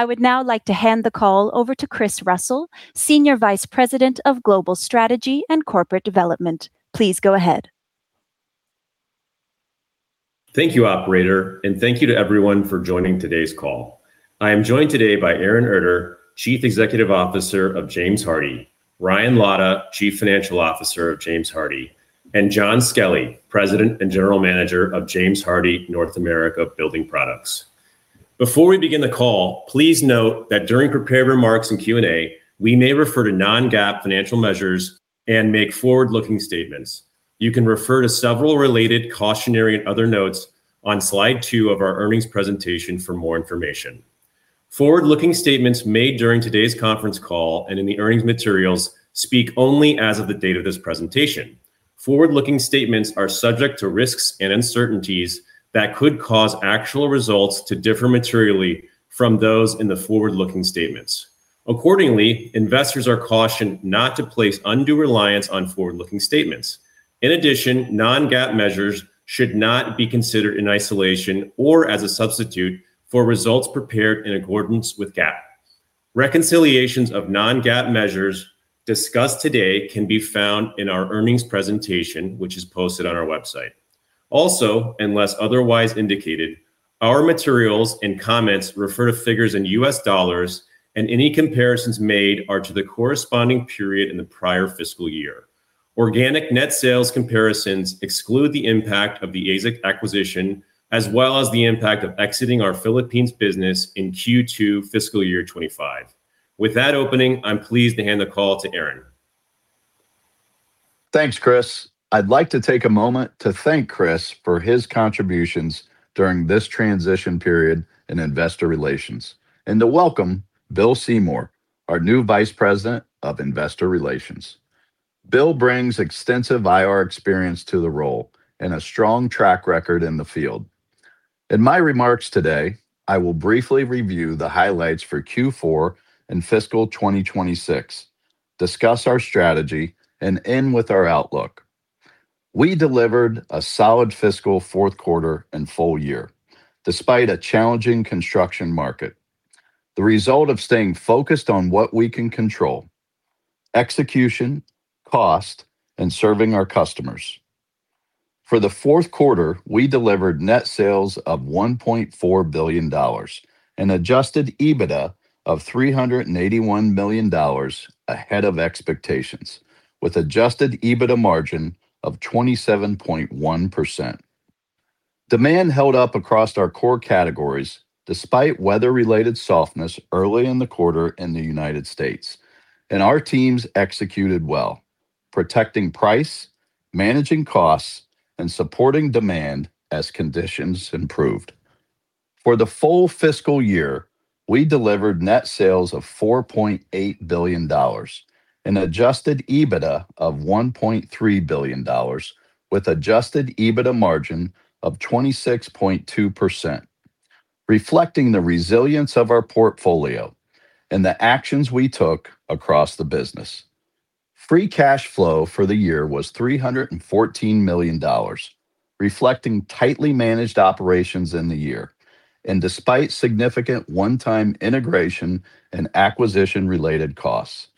I would now like to hand the call over to Chris Russell, Senior Vice President of Global Strategy and Corporate Development. Please go ahead. Thank you, operator, and thank you to everyone for joining today's call. I am joined today by Aaron Erter, Chief Executive Officer of James Hardie, Ryan Lada, Chief Financial Officer of James Hardie, and John Skelly, President and General Manager of James Hardie North America Building Products. Before we begin the call, please note that during prepared remarks and Q&A, we may refer to non-GAAP financial measures and make forward-looking statements. You can refer to several related cautionary and other notes on slide two of our earnings presentation for more information. Forward-looking statements made during today's conference call and in the earnings materials speak only as of the date of this presentation. Forward-looking statements are subject to risks and uncertainties that could cause actual results to differ materially from those in the forward-looking statements. Accordingly, investors are cautioned not to place undue reliance on forward-looking statements. In addition, non-GAAP measures should not be considered in isolation or as a substitute for results prepared in accordance with GAAP. Reconciliations of non-GAAP measures discussed today can be found in our earnings presentation, which is posted on our website. Also, unless otherwise indicated, our materials and comments refer to figures in U.S dollars, and any comparisons made are to the corresponding period in the prior fiscal year. Organic net sales comparisons exclude the impact of the AZEK acquisition, as well as the impact of exiting our Philippines business in Q2 fiscal year 2025. With that opening, I'm pleased to hand the call to Aaron. Thanks, Chris. I'd like to take a moment to thank Chris for his contributions during this transition period in investor relations and to welcome Bill Seymour, our new Vice President of Investor Relations. Bill brings extensive IR experience to the role and a strong track record in the field. In my remarks today, I will briefly review the highlights for Q4 and fiscal 2026, discuss our strategy, and end with our outlook. We delivered a solid fiscal fourth quarter and full year, despite a challenging construction market, the result of staying focused on what we can control: execution, cost, and serving our customers. For the fourth quarter, we delivered net sales of $1.4 billion, an adjusted EBITDA of $381 million ahead of expectations, with adjusted EBITDA margin of 27.1%. Demand held up across our core categories despite weather-related softness early in the quarter in the United States. Our teams executed well, protecting price, managing costs, and supporting demand as conditions improved. For the full fiscal year, we delivered net sales of $4.8 billion, an adjusted EBITDA of $1.3 billion, with adjusted EBITDA margin of 26.2%, reflecting the resilience of our portfolio and the actions we took across the business. Free cash flow for the year was $314 million, reflecting tightly managed operations in the year and despite significant one-time integration and acquisition-related costs.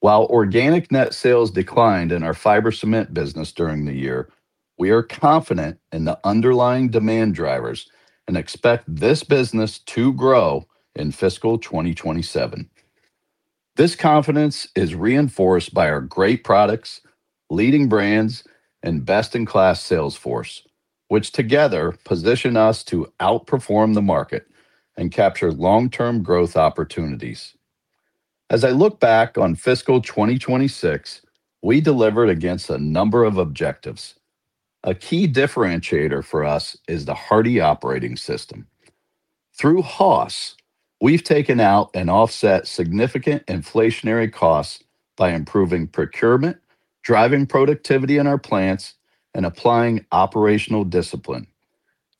While organic net sales declined in our fiber cement business during the year, we are confident in the underlying demand drivers and expect this business to grow in fiscal 2027. This confidence is reinforced by our great products, leading brands, and best-in-class sales force, which together position us to outperform the market and capture long-term growth opportunities. As I look back on fiscal 2026, we delivered against a number of objectives. A key differentiator for us is the Hardie Operating System. Through HOS, we've taken out and offset significant inflationary costs by improving procurement, driving productivity in our plants, and applying operational discipline.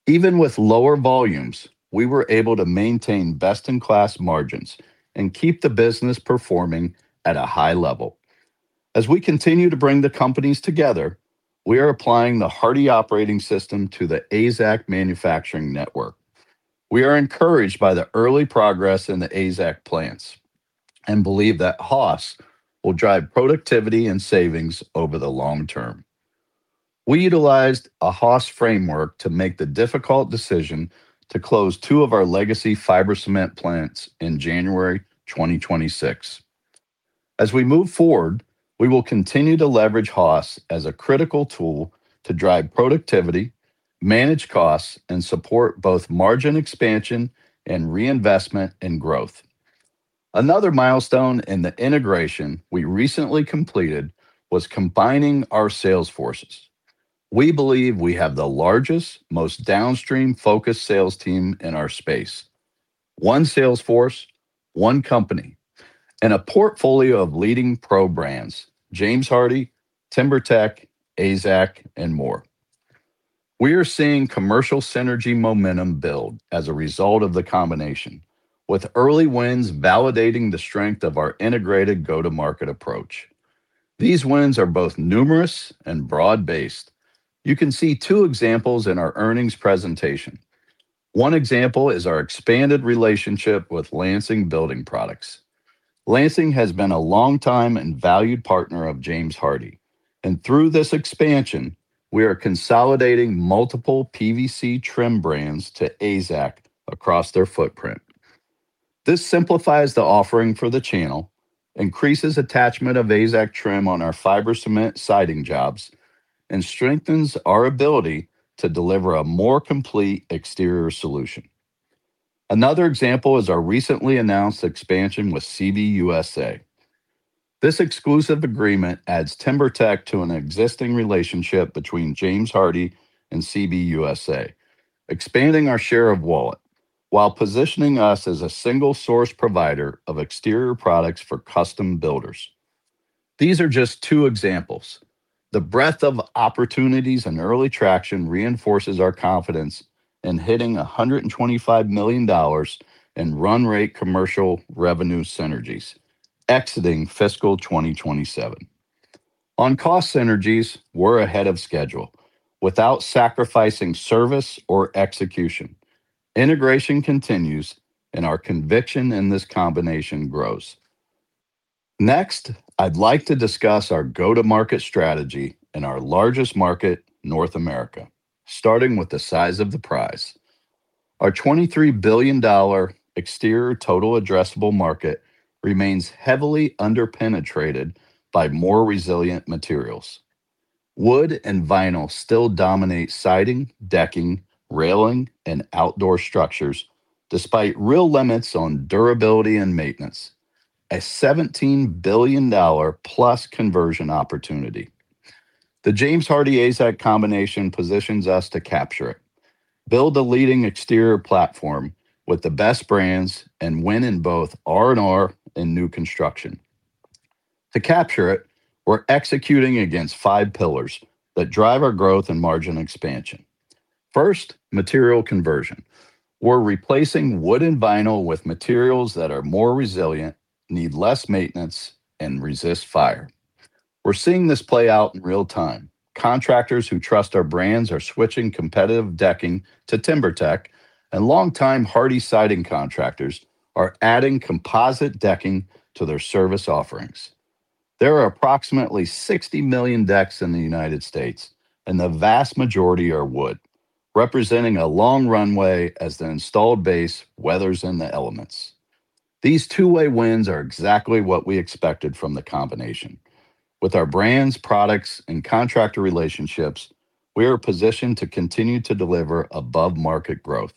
Even with lower volumes, we were able to maintain best-in-class margins and keep the business performing at a high level. As we continue to bring the companies together, we are applying the Hardie Operating System to the AZEK manufacturing network. We are encouraged by the early progress in the AZEK plants and believe that HOS will drive productivity and savings over the long term. We utilized a HOS framework to make the difficult decision to close two of our legacy fiber cement plants in January 2026. As we move forward, we will continue to leverage HOS as a critical tool to drive productivity, manage costs, and support both margin expansion and reinvestment in growth. Another milestone in the integration we recently completed was combining our sales forces. We believe we have the largest, most downstream-focused sales team in our space. One sales force, one company, and a portfolio of leading pro brands, James Hardie, TimberTech, AZEK, and more. We are seeing commercial synergy momentum build as a result of the combination, with early wins validating the strength of our integrated go-to-market approach. These wins are both numerous and broad-based. You can see 2 examples in our earnings presentation. One example is our expanded relationship with Lansing Building Products. Lansing has been a longtime and valued partner of James Hardie, through this expansion, we are consolidating multiple PVC trim brands to AZEK across their footprint. This simplifies the offering for the channel, increases attachment of AZEK trim on our fiber cement siding jobs, strengthens our ability to deliver a more complete exterior solution. Another example is our recently announced expansion with CBUSA. This exclusive agreement adds TimberTech to an existing relationship between James Hardie and CBUSA, expanding our share of wallet while positioning us as a single source provider of exterior products for custom builders. These are just two examples. The breadth of opportunities and early traction reinforces our confidence in hitting $125 million in run rate commercial revenue synergies exiting fiscal 2027. On cost synergies, we're ahead of schedule without sacrificing service or execution. Integration continues, our conviction in this combination grows. Next, I'd like to discuss our go-to-market strategy in our largest market, North America, starting with the size of the prize. Our $23 billion exterior total addressable market remains heavily under-penetrated by more resilient materials. Wood and vinyl still dominate siding, decking, railing, and outdoor structures despite real limits on durability and maintenance, a $17 billion+ conversion opportunity. The James Hardie-AZEK combination positions us to capture it, build a leading exterior platform with the best brands, and win in both R&R and new construction. To capture it, we're executing against five pillars that drive our growth and margin expansion. First, material conversion. We're replacing wood and vinyl with materials that are more resilient, need less maintenance, and resist fire. We're seeing this play out in real time. Contractors who trust our brands are switching competitive decking to TimberTech, and longtime Hardie Siding contractors are adding composite decking to their service offerings. There are approximately 60 million decks in the U.S., and the vast majority are wood, representing a long runway as the installed base weathers in the elements. These two-way wins are exactly what we expected from the combination. With our brands, products, and contractor relationships, we are positioned to continue to deliver above-market growth.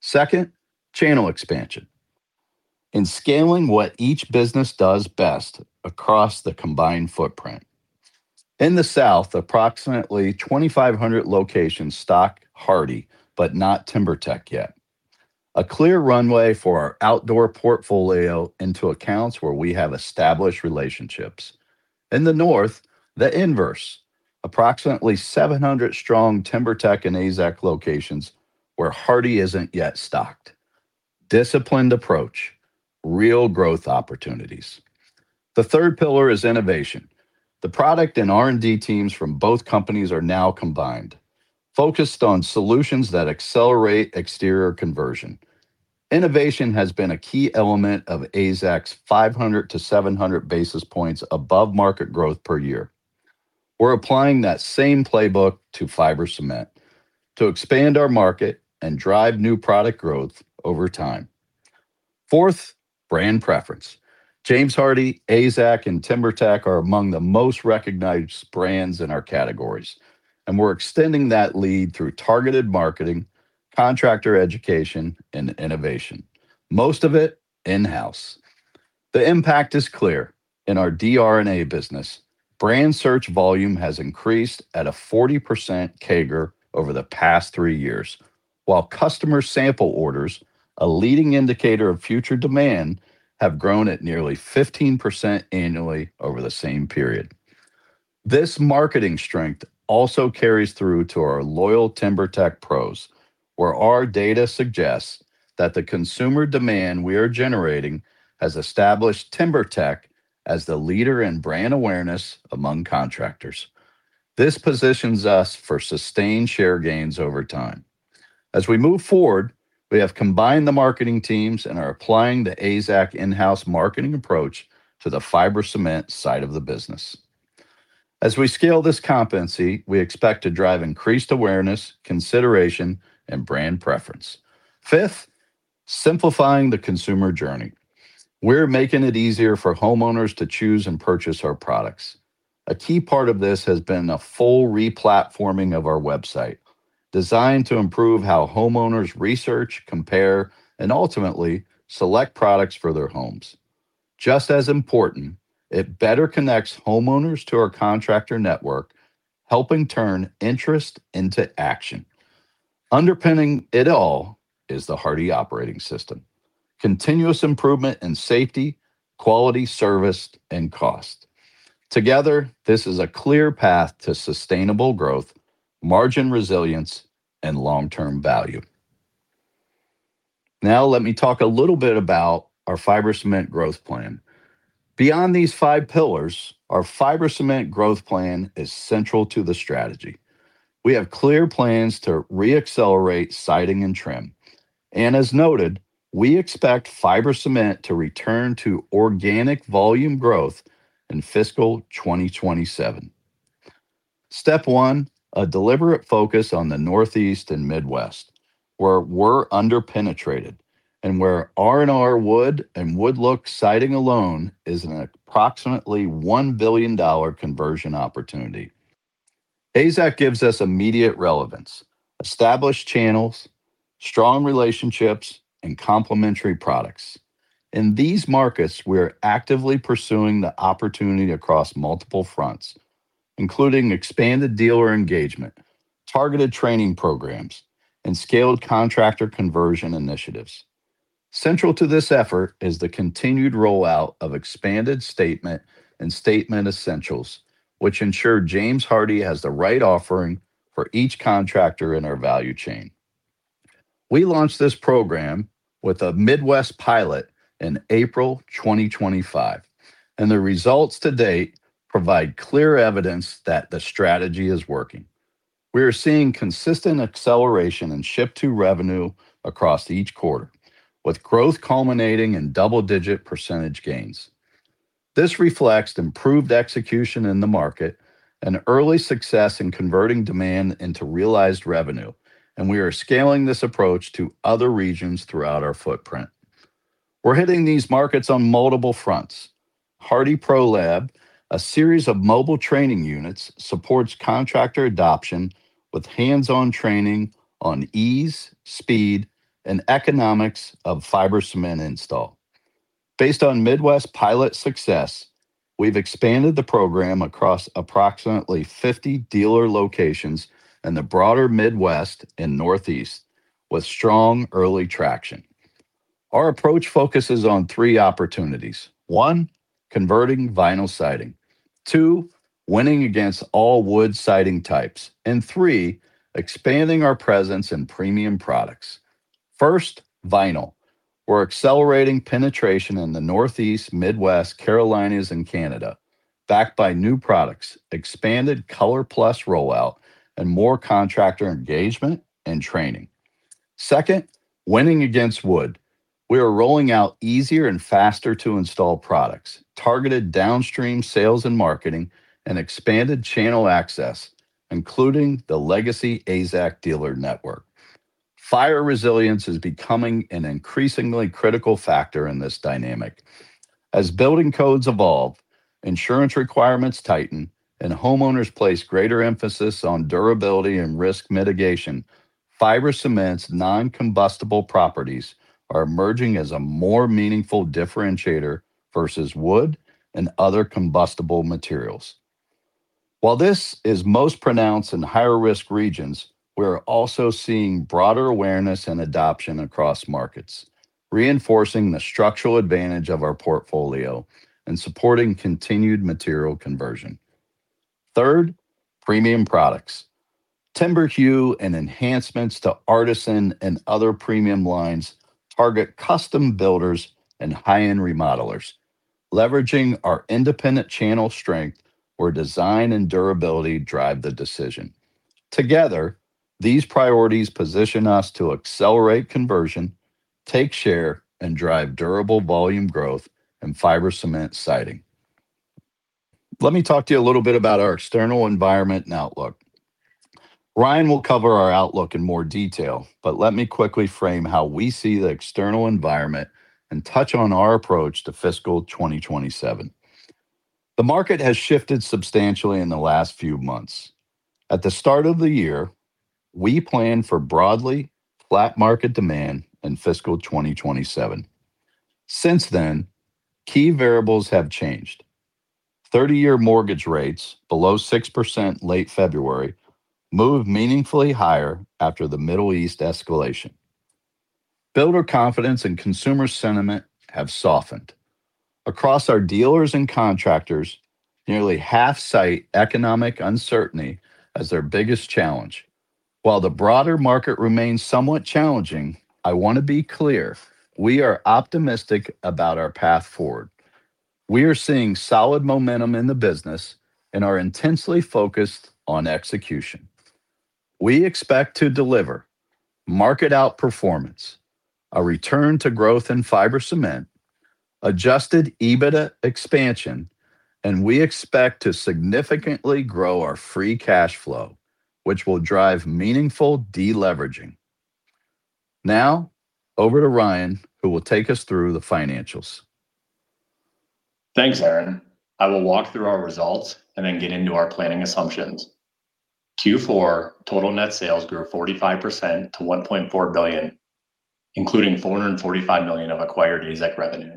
Second, channel expansion in scaling what each business does best across the combined footprint. In the South, approximately 2,500 locations stock Hardie but not TimberTech yet. A clear runway for our outdoor portfolio into accounts where we have established relationships. In the North, the inverse, approximately 700 strong TimberTech and AZEK locations where Hardie isn't yet stocked. Disciplined approach, real growth opportunities. The third pillar is innovation. The product and R&D teams from both companies are now combined, focused on solutions that accelerate exterior conversion. Innovation has been a key element of AZEK's 500 to 700 basis points above market growth per year. We're applying that same playbook to fiber cement to expand our market and drive new product growth over time. Fourth, brand preference. James Hardie, AZEK, and TimberTech are among the most recognized brands in our categories, and we're extending that lead through targeted marketing, contractor education, and innovation, most of it in-house. The impact is clear. In our DR&A business, brand search volume has increased at a 40% CAGR over the past three years, while customer sample orders, a leading indicator of future demand, have grown at nearly 15% annually over the same period. This marketing strength also carries through to our loyal TimberTech pros, where our data suggests that the consumer demand we are generating has established TimberTech as the leader in brand awareness among contractors. This positions us for sustained share gains over time. We have combined the marketing teams and are applying the AZEK in-house marketing approach to the fiber cement side of the business. We scale this competency, we expect to drive increased awareness, consideration, and brand preference. Fifth, simplifying the consumer journey. We're making it easier for homeowners to choose and purchase our products. A key part of this has been a full re-platforming of our website, designed to improve how homeowners research, compare, and ultimately select products for their homes. Just as important, it better connects homeowners to our contractor network, helping turn interest into action. Underpinning it all is the Hardie Operating System, continuous improvement in safety, quality, service, and cost. Together, this is a clear path to sustainable growth, margin resilience, and long-term value. Let me talk a little bit about our fiber cement growth plan. Beyond these five pillars, our fiber cement growth plan is central to the strategy. We have clear plans to re-accelerate Siding and Trim. As noted, we expect fiber cement to return to organic volume growth in fiscal 2027. Step one, a deliberate focus on the Northeast and Midwest, where we're under-penetrated and where R&R wood and wood look siding alone is an approximately $1 billion conversion opportunity. AZEK gives us immediate relevance, established channels, strong relationships, and complementary products. In these markets, we are actively pursuing the opportunity across multiple fronts, including expanded dealer engagement, targeted training programs, and scaled contractor conversion initiatives. Central to this effort is the continued rollout of expanded Statement Collection and Statement Collection Essentials, which ensure James Hardie has the right offering for each contractor in our value chain. We launched this program with a Midwest pilot in April 2025, and the results to date provide clear evidence that the strategy is working. We are seeing consistent acceleration in ship to revenue across each quarter, with growth culminating in double-digit percentage gains. This reflects improved execution in the market and early success in converting demand into realized revenue, and we are scaling this approach to other regions throughout our footprint. We're hitting these markets on multiple fronts. Hardie ProLab, a series of mobile training units, supports contractor adoption with hands-on training on ease, speed, and economics of fiber cement install. Based on Midwest pilot success, we've expanded the program across approximately 50 dealer locations in the broader Midwest and Northeast with strong early traction. Our approach focuses on three opportunities. one, converting vinyl siding. two, winning against all wood siding types. three, expanding our presence in premium products. First, vinyl. We're accelerating penetration in the Northeast, Midwest, Carolinas, and Canada, backed by new products, expanded ColorPlus rollout, and more contractor engagement and training. Second, winning against wood. We are rolling out easier and faster to install products, targeted downstream sales and marketing, and expanded channel access, including the legacy AZEK dealer network. Fire resilience is becoming an increasingly critical factor in this dynamic. As building codes evolve, insurance requirements tighten, and homeowners place greater emphasis on durability and risk mitigation, fiber cement's non-combustible properties are emerging as a more meaningful differentiator versus wood and other combustible materials. While this is most pronounced in higher risk regions, we are also seeing broader awareness and adoption across markets, reinforcing the structural advantage of our portfolio and supporting continued material conversion. Third, premium products. TimberHue and enhancements to Artisan and other premium lines target custom builders and high-end remodelers, leveraging our independent channel strength where design and durability drive the decision. Together, these priorities position us to accelerate conversion, take share, and drive durable volume growth in fiber cement siding. Let me talk to you a little bit about our external environment and outlook. Ryan will cover our outlook in more detail, but let me quickly frame how we see the external environment and touch on our approach to fiscal 2027. The market has shifted substantially in the last few months. At the start of the year, we planned for broadly flat market demand in fiscal 2027. Since then, key variables have changed. 30-year mortgage rates below 6% late February moved meaningfully higher after the Middle East escalation. Builder confidence and consumer sentiment have softened. Across our dealers and contractors, nearly half cite economic uncertainty as their biggest challenge. The broader market remains somewhat challenging, I want to be clear, we are optimistic about our path forward. We are seeing solid momentum in the business and are intensely focused on execution. We expect to deliver market outperformance, a return to growth in fiber cement, adjusted EBITDA expansion, and we expect to significantly grow our free cash flow, which will drive meaningful deleveraging. Over to Ryan, who will take us through the financials. Thanks, Aaron. I will walk through our results and then get into our planning assumptions. Q4 total net sales grew 45% to $1.4 billion, including $445 million of acquired AZEK revenue.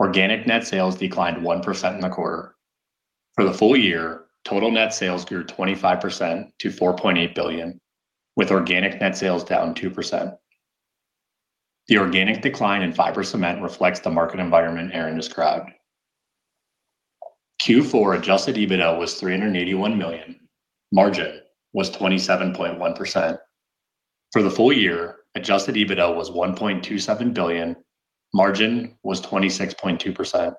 Organic net sales declined 1% in the quarter. For the full year, total net sales grew 25% to $4.8 billion, with organic net sales down 2%. The organic decline in fiber cement reflects the market environment Aaron described. Q4 adjusted EBITDA was $381 million. Margin was 27.1%. For the full year, adjusted EBITDA was $1.27 billion. Margin was 26.2%.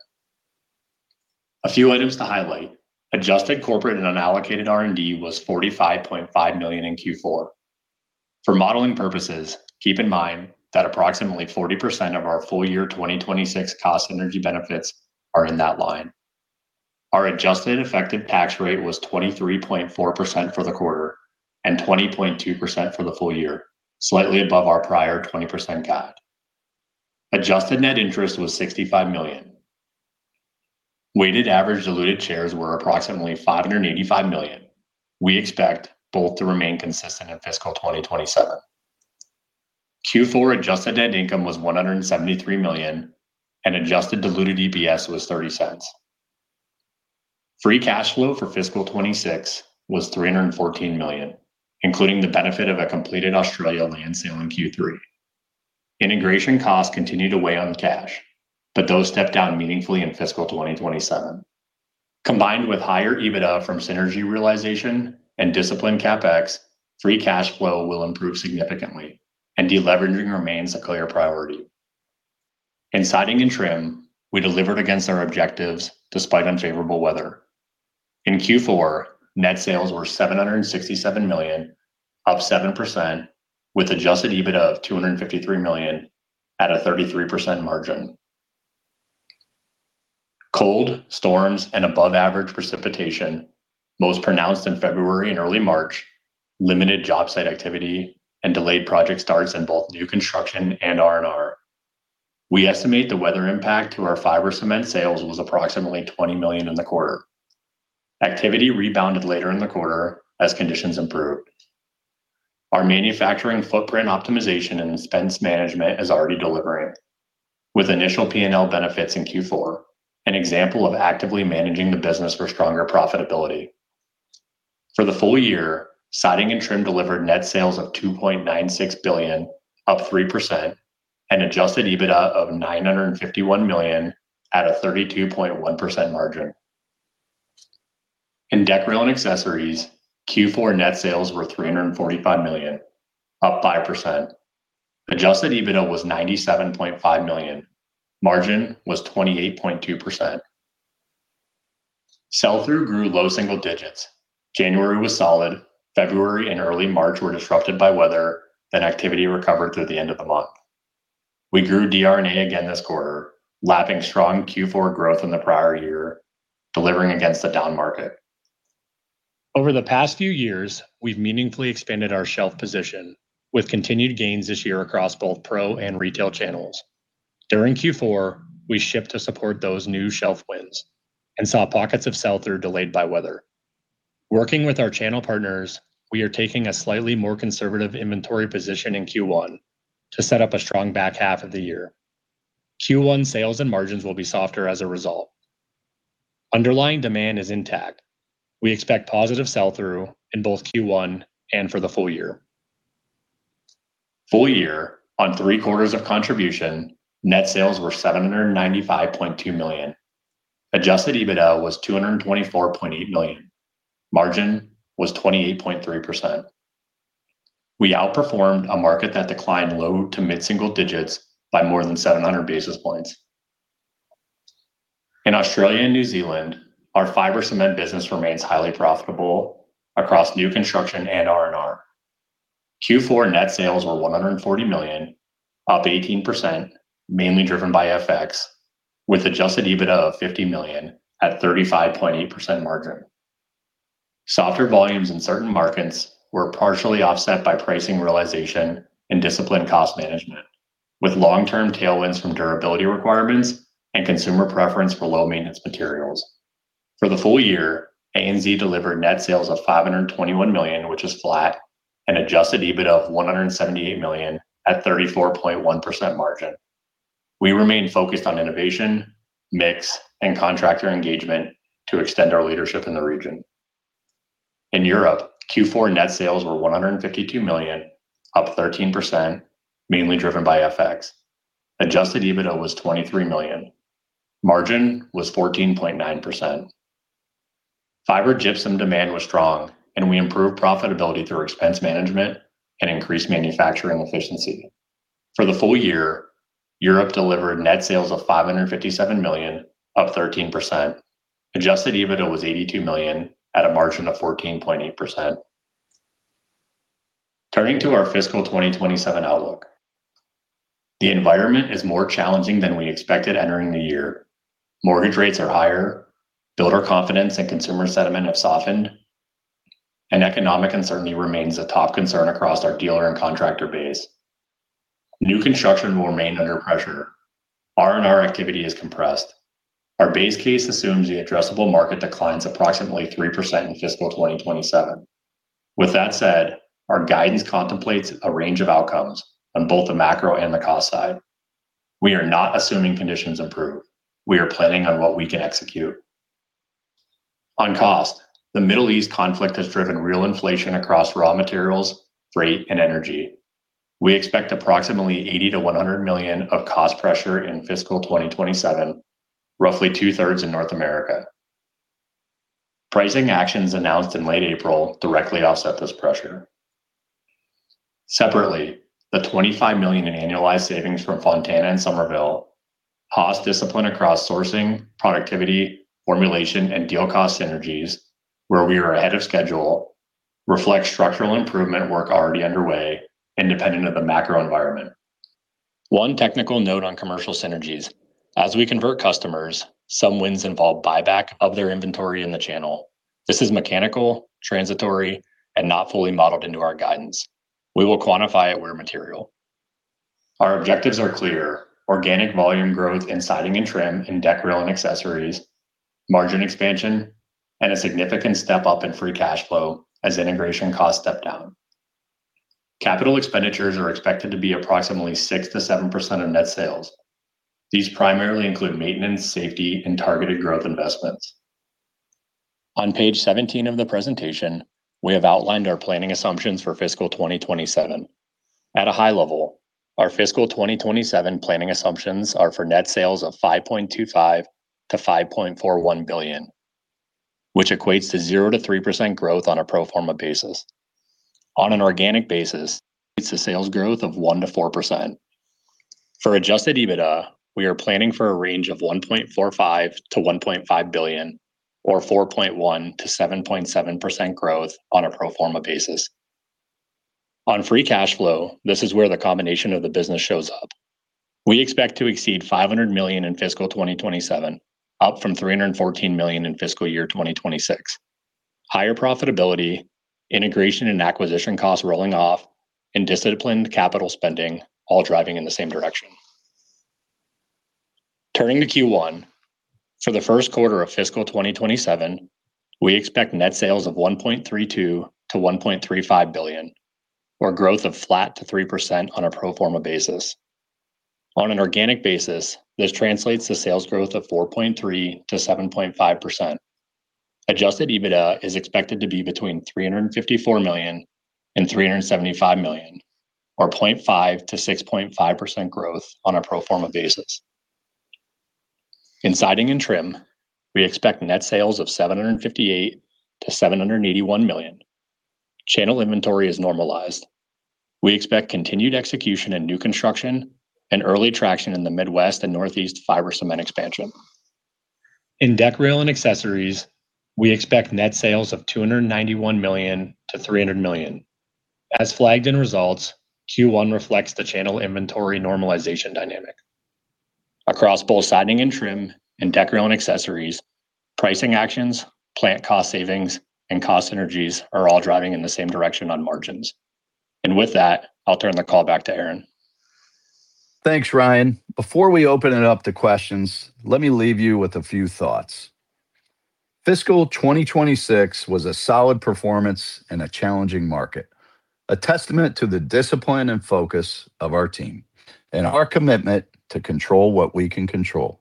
A few items to highlight. Adjusted corporate and unallocated R&D was $45.5 million in Q4. For modeling purposes, keep in mind that approximately 40% of our full year 2026 cost synergy benefits are in that line. Our adjusted effective tax rate was 23.4% for the quarter and 20.2% for the full year, slightly above our prior 20% guide. Adjusted net interest was $65 million. Weighted average diluted shares were approximately 585 million. We expect both to remain consistent in fiscal 2027. Q4 adjusted net income was $173 million, and adjusted diluted EPS was $0.30. Free cash flow for fiscal 2026 was $314 million, including the benefit of a completed Australia land sale in Q3. Integration costs continue to weigh on cash, but those stepped down meaningfully in fiscal 2027. Combined with higher EBITDA from synergy realization and disciplined CapEx, free cash flow will improve significantly and deleveraging remains a clear priority. In Siding and Trim, we delivered against our objectives despite unfavorable weather. In Q4, net sales were $767 million, up 7%, with adjusted EBITDA of $253 million at a 33% margin. Cold storms and above average precipitation, most pronounced in February and early March, limited job site activity and delayed project starts in both new construction and R&R. We estimate the weather impact to our fiber cement sales was approximately $20 million in the quarter. Activity rebounded later in the quarter as conditions improved. Our manufacturing footprint optimization and expense management is already delivering, with initial P&L benefits in Q4, an example of actively managing the business for stronger profitability. For the full year, Siding and Trim delivered net sales of $2.96 billion, up 3%, and adjusted EBITDA of $951 million at a 32.1% margin. In Deck Rail and Accessories, Q4 net sales were $345 million, up 5%. Adjusted EBITDA was $97.5 million. Margin was 28.2%. Sell-through grew low single digits. January was solid. February and early March were disrupted by weather, then activity recovered through the end of the month. We grew DR&A again this quarter, lapping strong Q4 growth in the prior year, delivering against the down market. Over the past few years, we've meaningfully expanded our shelf position with continued gains this year across both pro and retail channels. During Q4, we shipped to support those new shelf wins and saw pockets of sell-through delayed by weather. Working with our channel partners, we are taking a slightly more conservative inventory position in Q1 to set up a strong back half of the year. Q1 sales and margins will be softer as a result. Underlying demand is intact. We expect positive sell-through in both Q1 and for the full year. Full year, on three quarters of contribution, net sales were $795.2 million. Adjusted EBITDA was $224.8 million. Margin was 28.3%. We outperformed a market that declined low to mid-single digits by more than 700 basis points. In Australia and New Zealand, our fiber cement business remains highly profitable across new construction and R&R. Q4 net sales were $140 million, up 18%, mainly driven by FX, with adjusted EBITDA of $50 million at 35.8% margin. Softer volumes in certain markets were partially offset by pricing realization and disciplined cost management, with long-term tailwinds from durability requirements and consumer preference for low-maintenance materials. For the full year, ANZ delivered net sales of $521 million, which is flat, and adjusted EBITDA of $178 million at 34.1% margin. We remain focused on innovation, mix, and contractor engagement to extend our leadership in the region. In Europe, Q4 net sales were $152 million, up 13%, mainly driven by FX. Adjusted EBITDA was $23 million. Margin was 14.9%. Fibre gypsum demand was strong, and we improved profitability through expense management and increased manufacturing efficiency. For the full year, Europe delivered net sales of $557 million, up 13%. Adjusted EBITDA was $82 million at a margin of 14.8%. Turning to our fiscal 2027 outlook. The environment is more challenging than we expected entering the year. Mortgage rates are higher. Builder confidence and consumer sentiment have softened. Economic uncertainty remains a top concern across our dealer and contractor base. New construction will remain under pressure. R&R activity is compressed. Our base case assumes the addressable market declines approximately 3% in fiscal 2027. With that said, our guidance contemplates a range of outcomes on both the macro and the cost side. We are not assuming conditions improve. We are planning on what we can execute. On cost, the Middle East conflict has driven real inflation across raw materials, freight, and energy. We expect approximately $80 million-$100 million of cost pressure in fiscal 2027, roughly 2/3 in North America. Pricing actions announced in late April directly offset this pressure. Separately, the $25 million in annualized savings from Fontana and Summerville, cost discipline across sourcing, productivity, formulation, and deal cost synergies, where we are ahead of schedule, reflect structural improvement work already underway independent of the macro environment. One technical note on commercial synergies. As we convert customers, some wins involve buyback of their inventory in the channel. This is mechanical, transitory, and not fully modeled into our guidance. We will quantify it where material. Our objectives are clear: organic volume growth in Siding and Trim and Deck Rail and Accessories, margin expansion, and a significant step-up in free cash flow as integration costs step down. Capital expenditures are expected to be approximately 6%-7% of net sales. These primarily include maintenance, safety, and targeted growth investments. On page 17 of the presentation, we have outlined our planning assumptions for fiscal 2027. At a high level, our fiscal 2027 planning assumptions are for net sales of $5.25 billion-$5.41 billion, which equates to 0%-3% growth on a pro forma basis. On an organic basis, it's a sales growth of 1%-4%. For adjusted EBITDA, we are planning for a range of $1.45 billion-$1.5 billion, or 4.1%-7.7% growth on a pro forma basis. On free cash flow, this is where the combination of the business shows up. We expect to exceed $500 million in fiscal 2027, up from $314 million in fiscal year 2026. Higher profitability, integration and acquisition costs rolling off, and disciplined capital spending all driving in the same direction. Turning to Q1. For the first quarter of fiscal 2027, we expect net sales of $1.32 billion-$1.35 billion, or growth of flat to 3% on a pro forma basis. On an organic basis, this translates to sales growth of 4.3%-7.5%. Adjusted EBITDA is expected to be between $354 million and $375 million, or 0.5%-6.5% growth on a pro forma basis. In Siding and Trim, we expect net sales of $758 million-$781 million. Channel inventory is normalized. We expect continued execution in new construction and early traction in the Midwest and Northeast fiber cement expansion. In Deck Rail and Accessories, we expect net sales of $291 million-$300 million. As flagged in results, Q1 reflects the channel inventory normalization dynamic. Across both Siding and Trim and Deck Rail and Accessories, pricing actions, plant cost savings, and cost synergies are all driving in the same direction on margins. With that, I'll turn the call back to Aaron. Thanks, Ryan. Before we open it up to questions, let me leave you with a few thoughts. Fiscal 2026 was a solid performance in a challenging market, a testament to the discipline and focus of our team and our commitment to control what we can control,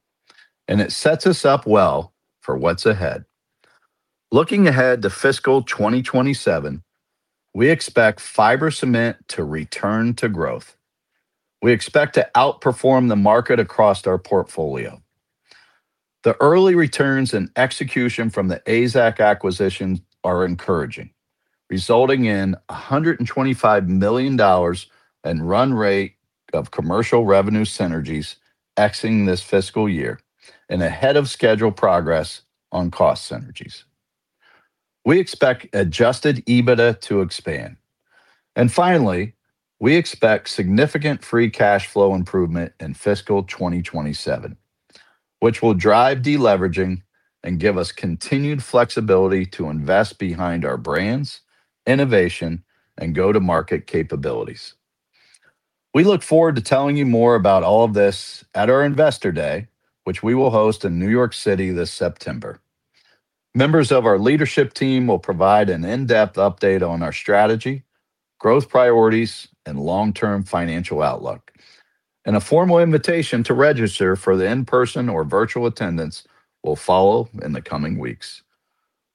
and it sets us up well for what's ahead. Looking ahead to fiscal 2027, we expect fiber cement to return to growth. We expect to outperform the market across our portfolio. The early returns and execution from the AZEK acquisition are encouraging, resulting in $125 million in run rate of commercial revenue synergies exiting this fiscal year and ahead of schedule progress on cost synergies. We expect adjusted EBITDA to expand. Finally, we expect significant free cash flow improvement in fiscal 2027, which will drive deleveraging and give us continued flexibility to invest behind our brands, innovation, and go-to-market capabilities. We look forward to telling you more about all of this at our Investor Day, which we will host in New York City this September. Members of our leadership team will provide an in-depth update on our strategy, growth priorities, and long-term financial outlook. A formal invitation to register for the in-person or virtual attendance will follow in the coming weeks.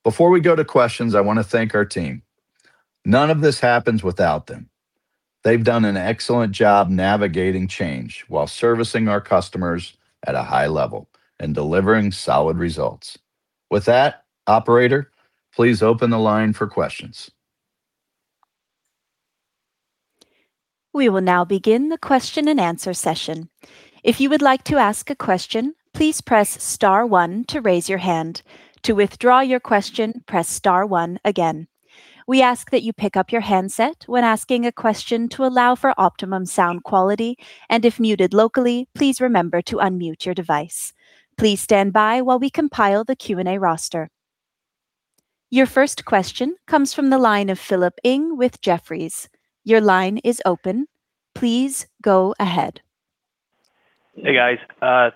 Before we go to questions, I want to thank our team. None of this happens without them. They've done an excellent job navigating change while servicing our customers at a high level and delivering solid results. With that, operator, please open the line for questions. We will now begin the question and answer session. If you would like to ask a question, please press star one to raise your hand. To withdraw your question, press star one again. We ask that you pick up your handset when asking a question to allow for optimum sound quality, and if muted locally, please remember to unmute your device. Please stand by while we compile the Q&A roster. Your first question comes from the line of Philip Ng with Jefferies. Your line is open. Please go ahead. Hey, guys.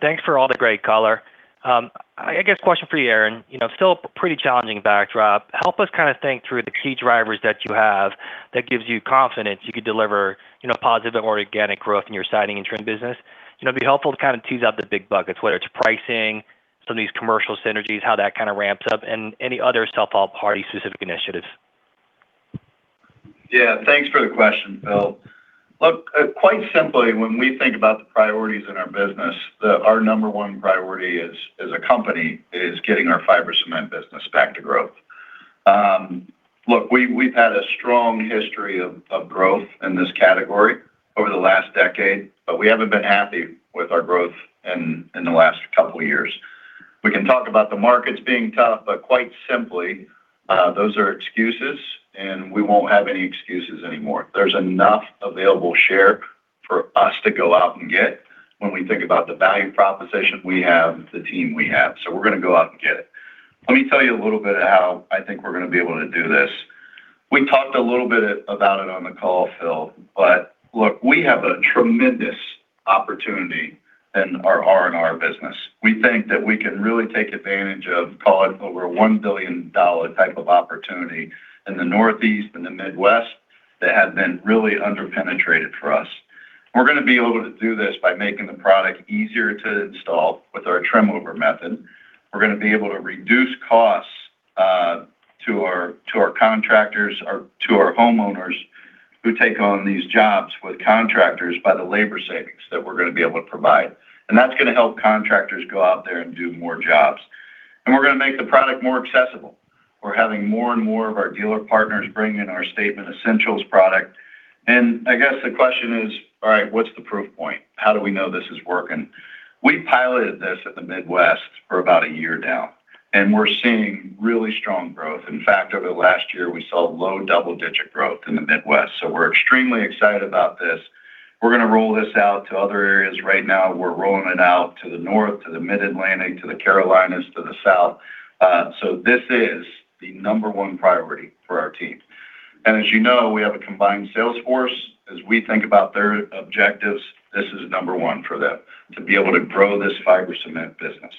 Thanks for all the great color. I guess question for you, Aaron. You know, still a pretty challenging backdrop. Help us kinda think through the key drivers that you have that gives you confidence you could deliver, you know, positive or organic growth in your Siding and Trim business. You know, it'd be helpful to kinda tease out the big buckets, whether it's pricing, some of these commercial synergies, how that kinda ramps up, and any other self-help or specific initiatives. Yeah, thanks for the question, Philip. Look, quite simply, when we think about the priorities in our business, our number one priority as a company is getting our fiber cement business back to growth. Look, we've had a strong history of growth in this category over the last decade, but we haven't been happy with our growth in the last couple of years. We can talk about the markets being tough, but quite simply, those are excuses, and we won't have any excuses anymore. There's enough available share for us to go out and get when we think about the value proposition we have, the team we have. We're gonna go out and get it. Let me tell you a little bit of how I think we're gonna be able to do this. We talked a little bit about it on the call, Philip, look we have a tremendous opportunity in our R&R business. We think that we can really take advantage of call it over a $1 billion type of opportunity in the Northeast and the Midwest that has been really under-penetrated for us. We're gonna be able to do this by making the product easier to install with our Trim-Over method. We're gonna be able to reduce costs to our contractors or to our homeowners who take on these jobs with contractors by the labor savings that we're gonna be able to provide. That's gonna help contractors go out there and do more jobs. We're gonna make the product more accessible. We're having more and more of our dealer partners bring in our Statement Collection Essentials product. I guess the question is, all right, what's the proof point? How do we know this is working? We piloted this at the Midwest for about a year now, and we're seeing really strong growth. In fact, over the last year, we saw low double-digit growth in the Midwest. We're extremely excited about this. We're gonna roll this out to other areas. Right now we're rolling it out to the North, to the Mid-Atlantic, to the Carolinas, to the South. This is the number one priority for our team. As you know, we have a combined sales force. As we think about their objectives, this is number one for them, to be able to grow this fiber cement business.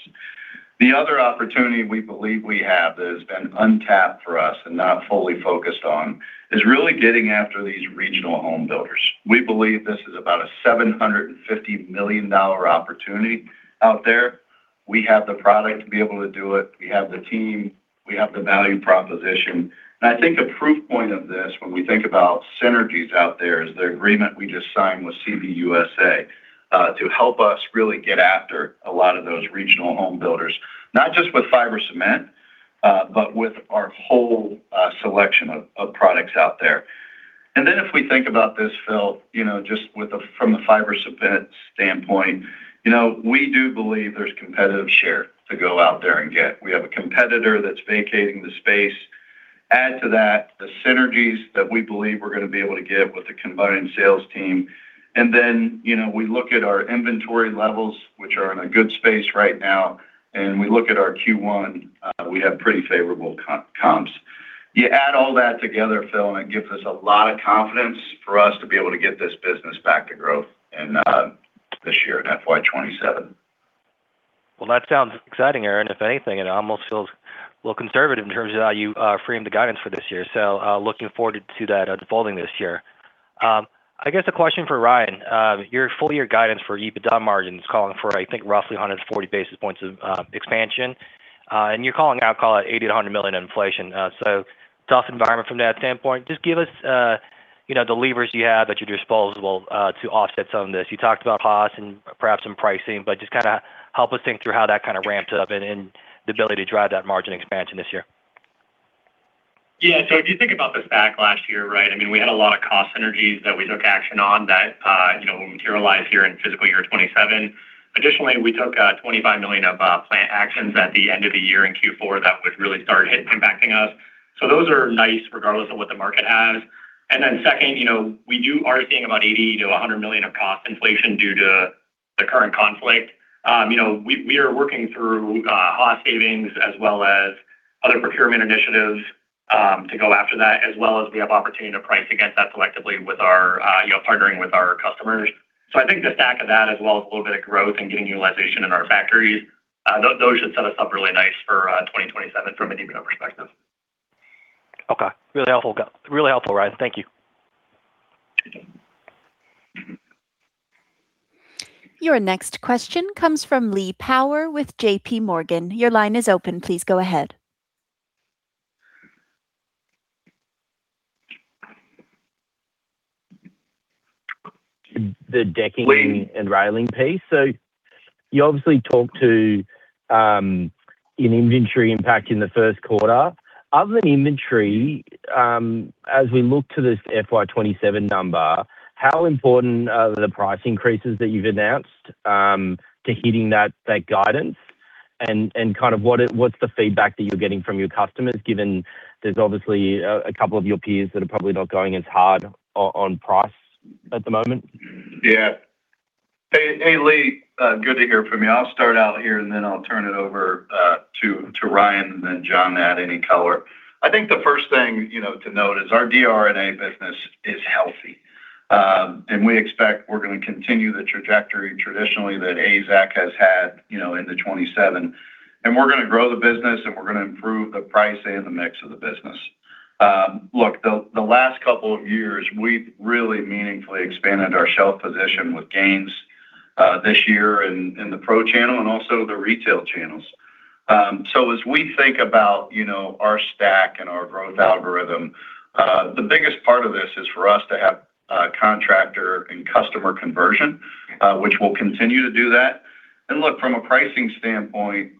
The other opportunity we believe we have that has been untapped for us and not fully focused on is really getting after these regional home builders. We believe this is about a $750 million opportunity out there. We have the product to be able to do it. We have the team. We have the value proposition. And I think a proof point of this when we think about synergies out there is the agreement we just signed with CBUSA to help us really get after a lot of those regional home builders, not just with fiber cement, but with our whole selection of products out there. And then if we think about this, Philip, you know, just with the, from the fiber cement standpoint, you know, we do believe there's competitive share to go out there and get. We have a competitor that's vacating the space. Add to that the synergies that we believe we're gonna be able to get with the combined sales team. You know, we look at our inventory levels, which are in a good space right now, and we look at our Q1, we have pretty favorable comps. You add all that together, Philip, and it gives us a lot of confidence for us to be able to get this business back to growth in this year in FY 2027. Well, that sounds exciting, Aaron. If anything, it almost feels a little conservative in terms of how you framed the guidance for this year. Looking forward to that unfolding this year. I guess a question for Ryan. Your full year guidance for EBITDA margin is calling for, I think, roughly 140 basis points of expansion. You're calling out, call it $80 million-$100 million in inflation. Tough environment from that standpoint. Just give us, you know, the levers you have at your disposable to offset some of this. You talked about cost and perhaps some pricing, just kinda help us think through how that kind of ramps up and the ability to drive that margin expansion this year. If you think about the stack last year, right, I mean, we had a lot of cost synergies that we took action on that, you know, materialize here in fiscal year 2027. Additionally, we took $25 million of plant actions at the end of the year in Q4 that would really start impacting us. Those are nice regardless of what the market has. Second, you know, we are seeing about $80 million-$100 million of cost inflation due to the current conflict. You know, we are working through cost savings as well as other procurement initiatives to go after that, as well as we have opportunity to price against that collectively with our, partnering with our customers. I think the stack of that as well as a little bit of growth and getting utilization in our factories, those should set us up really nice for 2027 from an EBITDA perspective. Okay. Really helpful, guys. Really helpful, Ryan. Thank you. Your next question comes from Lee Power with JPMorgan. Your line is open. Please go ahead. The decking- We- Railing piece. You obviously talked to an inventory impact in the first quarter. Other than inventory, as we look to this FY 2027 number, how important are the price increases that you've announced to hitting that guidance? What's the feedback that you're getting from your customers, given there's obviously a couple of your peers that are probably not going as hard on price at the moment? Yeah. Hey, hey, Lee, good to hear from you. I'll start out here, and then I'll turn it over to Ryan, then John to add any color. I think the first thing, you know, to note is our DR&A business is healthy, and we expect we're gonna continue the trajectory traditionally that AZEK has had, you know, in the 27. We're gonna grow the business, and we're gonna improve the price and the mix of the business. Look, the last couple of years, we've really meaningfully expanded our shelf position with gains this year in the pro channel and also the retail channels. As we think about, you know, our stack and our growth algorithm, the biggest part of this is for us to have a contractor and customer conversion, which we'll continue to do that. Look, from a pricing standpoint,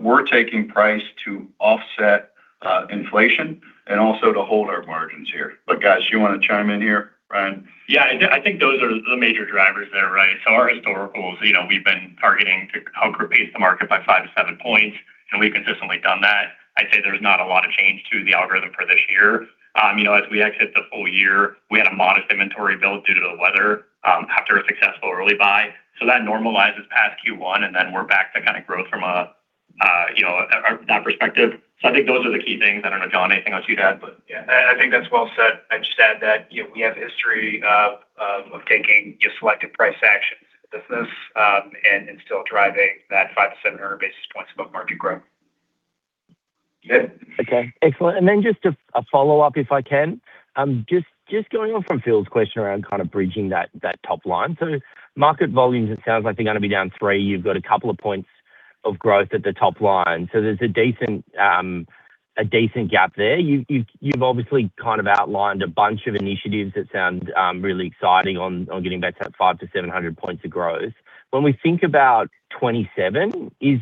we're taking price to offset inflation and also to hold our margins here. guys, you wanna chime in here? Ryan? Yeah, I think those are the major drivers there, right? Our historicals, you know, we've been targeting to outpace the market by 5 to 7 basis points, and we've consistently done that. I'd say there's not a lot of change to the algorithm for this year. You know, as we exit the full year, we had a modest inventory build due to the weather after a successful early buy. That normalizes past Q1, and then we're back to kinda growth from a, you know, that perspective. I think those are the key things. I don't know, John, anything else you'd add, but yeah. I think that's well said. I'd just add that, you know, we have history of taking just selective price actions business, and still driving that 5 to 7 basis points above market growth. Yeah. Okay, excellent. Just a follow-up, if I can. Just going on from Philip Ng's question around kind of bridging that top line. Market volumes, it sounds like they're going to be down 3%. You've got a couple of points of growth at the top line. There's a decent, a decent gap there. You've obviously kind of outlined a bunch of initiatives that sound really exciting on getting back to that 500 to 700 points of growth. When we think about 2027, is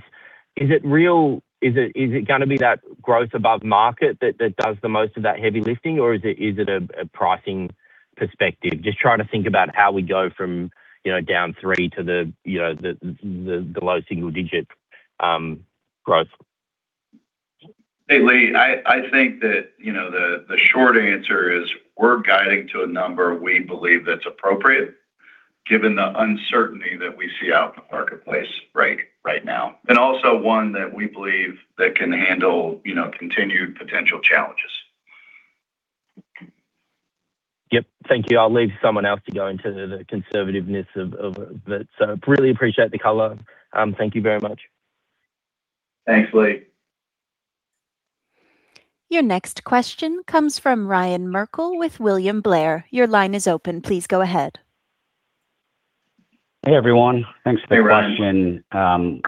it real? Is it going to be that growth above market that does the most of that heavy lifting, or is it a pricing perspective? Just trying to think about how we go from, you know, down 3% to the, you know, the low single-digit growth. Hey, Lee, I think that, you know, the short answer is we're guiding to a number we believe that's appropriate given the uncertainty that we see out in the marketplace right now. Also one that we believe that can handle, you know, continued potential challenges. Yep. Thank you. I'll leave someone else to go into the conservativeness of that. Really appreciate the color. Thank you very much. Thanks, Lee. Your next question comes from Ryan Merkel with William Blair. Your line is open. Please go ahead. Hey, everyone. Thanks for the question. Hey, Ryan.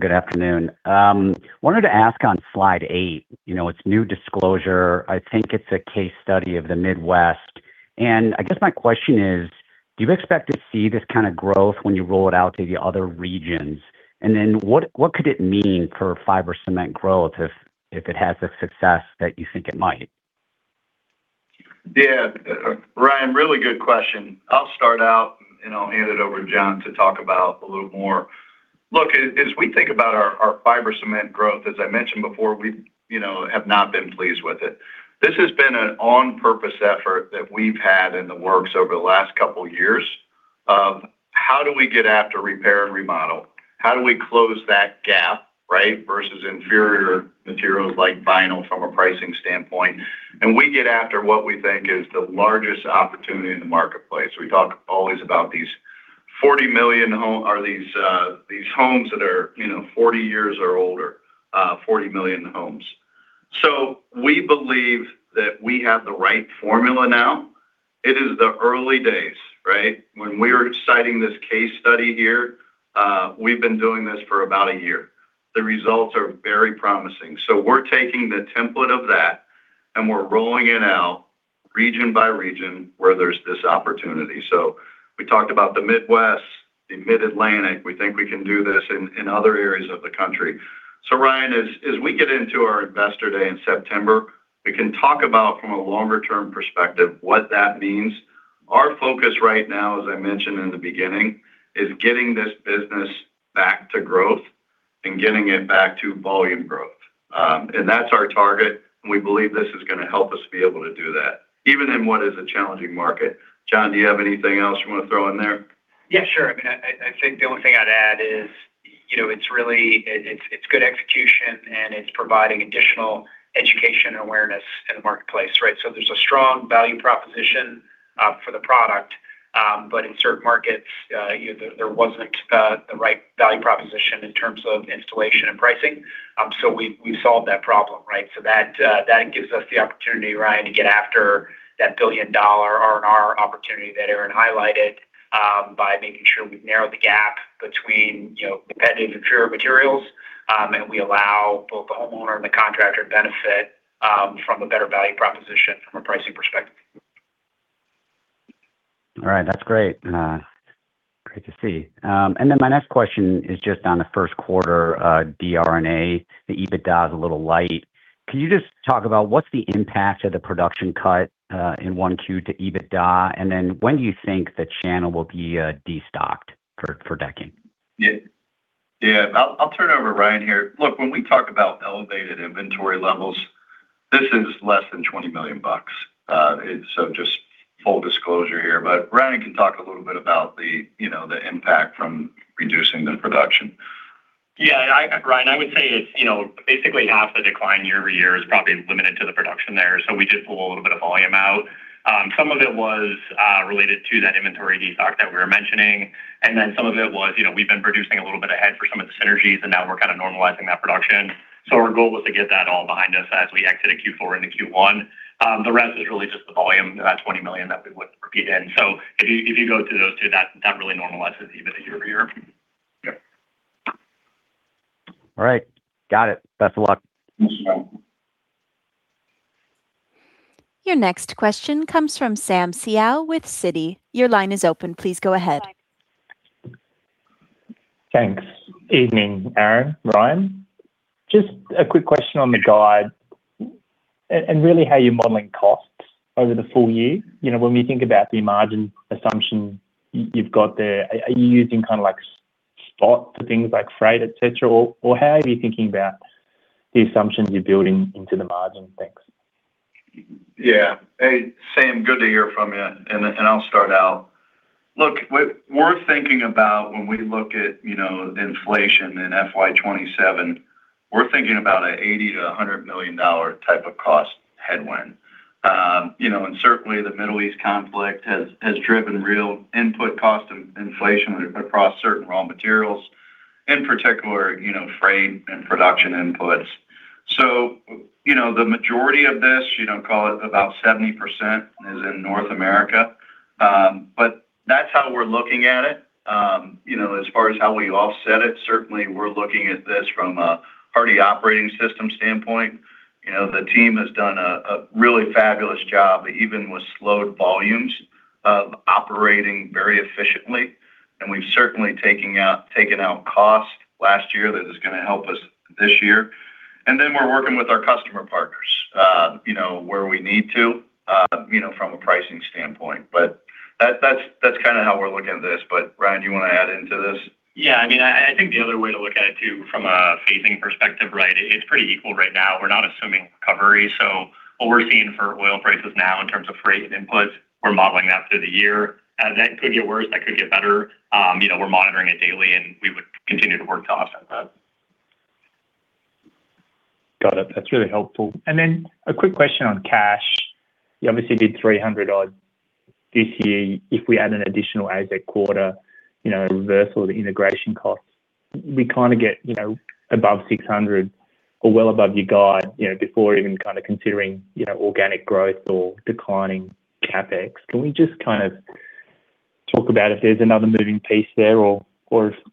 Good afternoon. wanted to ask on slide eight, you know, it's new disclosure. I think it's a case study of the Midwest. I guess my question is: Do you expect to see this kinda growth when you roll it out to the other regions? Then what could it mean for fiber cement growth if it has the success that you think it might? Yeah. Ryan, really good question. I'll start out, and I'll hand it over to John to talk about a little more. Look, as we think about our fiber cement growth, as I mentioned before, we, you know, have not been pleased with it. This has been an on-purpose effort that we've had in the works over the last couple years of how do we get after repair and remodel? How do we close that gap, right, versus inferior materials like vinyl from a pricing standpoint? We get after what we think is the largest opportunity in the marketplace. We talk always about these 40 million home or these homes that are, you know, 40 years or older, 40 million homes. We believe that we have the right formula now. It is the early days, right? When we're citing this case study here, we've been doing this for about a year. The results are very promising. We're taking the template of that, and we're rolling it out region by region where there's this opportunity. We talked about the Midwest, the Mid-Atlantic. We think we can do this in other areas of the country. Ryan, as we get into our Investor Day in September, we can talk about from a longer term perspective what that means. Our focus right now, as I mentioned in the beginning, is getting this business back to growth and getting it back to volume growth. That's our target, and we believe this is gonna help us be able to do that, even in what is a challenging market. John, do you have anything else you wanna throw in there? Yeah, sure. I mean, I think the only thing I'd add is, you know, it's really good execution, and it's providing additional education and awareness in the marketplace, right? There's a strong value proposition for the product. In certain markets, you know, there wasn't the right value proposition in terms of installation and pricing. We solved that problem, right? That gives us the opportunity, Ryan, to get after that $1 billion R&R opportunity that Aaron highlighted by making sure we've narrowed the gap between, you know, competitive and inferior materials. We allow both the homeowner and the contractor to benefit from a better value proposition from a pricing perspective. All right. That's great. Great to see. My next question is just on the first quarter, DR&A, the EBITDA is a little light. Can you just talk about what's the impact of the production cut in one Q to EBITDA? When do you think the channel will be destocked for decking? Yeah. Yeah. I'll turn it over to Ryan here. Look, when we talk about elevated inventory levels, this is less than $20 million. It's so just full disclosure here, but Ryan can talk a little bit about the, you know, the impact from reducing the production. Yeah. Ryan, I would say it's, you know, basically half the decline year-over-year is probably limited to the production there. We did pull a little bit of volume out. Some of it was related to that inventory destock that we were mentioning. Some of it was, you know, we've been producing a little bit ahead for some of the synergies, and now we're kind of normalizing that production. Our goal was to get that all behind us as we exit a Q4 into Q1. The rest is really just the volume, that $20 million that we would repeat in. If you go through those two, that really normalizes even a year-over-year. All right. Got it. Best of luck. Thank you. Your next question comes from Sam Seow with Citi. Your line is open. Please go ahead. Thanks. Evening, Aaron, Ryan. Just a quick question on the guide and really how you're modeling costs over the full year. You know, when we think about the margin assumption you've got there, are you using kinda like spot for things like freight, et cetera, or how are you thinking about the assumptions you're building into the margin? Thanks. Yeah. Hey, Sam, good to hear from you. I'll start out. Look, what we're thinking about when we look at, you know, inflation in FY 2027, we're thinking about a $80 million- $100 million type of cost headwind. You know, certainly the Middle East conflict has driven real input cost inflation across certain raw materials, in particular, you know, freight and production inputs. You know, the majority of this, you know, call it about 70% is in North America. That's how we're looking at it. You know, as far as how we offset it, certainly we're looking at this from a Hardie Operating System standpoint. You know, the team has done a really fabulous job, even with slowed volumes, of operating very efficiently. We've certainly taken out cost last year that is gonna help us this year. We're working with our customer partners, you know, where we need to, you know, from a pricing standpoint. That's kinda how we're looking at this. Ryan, do you wanna add into this? Yeah. I mean, I think the other way to look at it too, from a phasing perspective, right, it's pretty equal right now. We're not assuming recovery. What we're seeing for oil prices now in terms of freight and inputs, we're modeling that through the year. That could get worse, that could get better. You know, we're monitoring it daily, and we would continue to work to offset that. Got it. That's really helpful. A quick question on cash. You obviously did $300 odd this year. If we add an additional AZEK quarter, you know, reversal of the integration costs, we kinda get, you know, above $600 or well above your guide, you know, before even kinda considering, you know, organic growth or declining CapEx. Can we just kind of talk about if there's another moving piece there or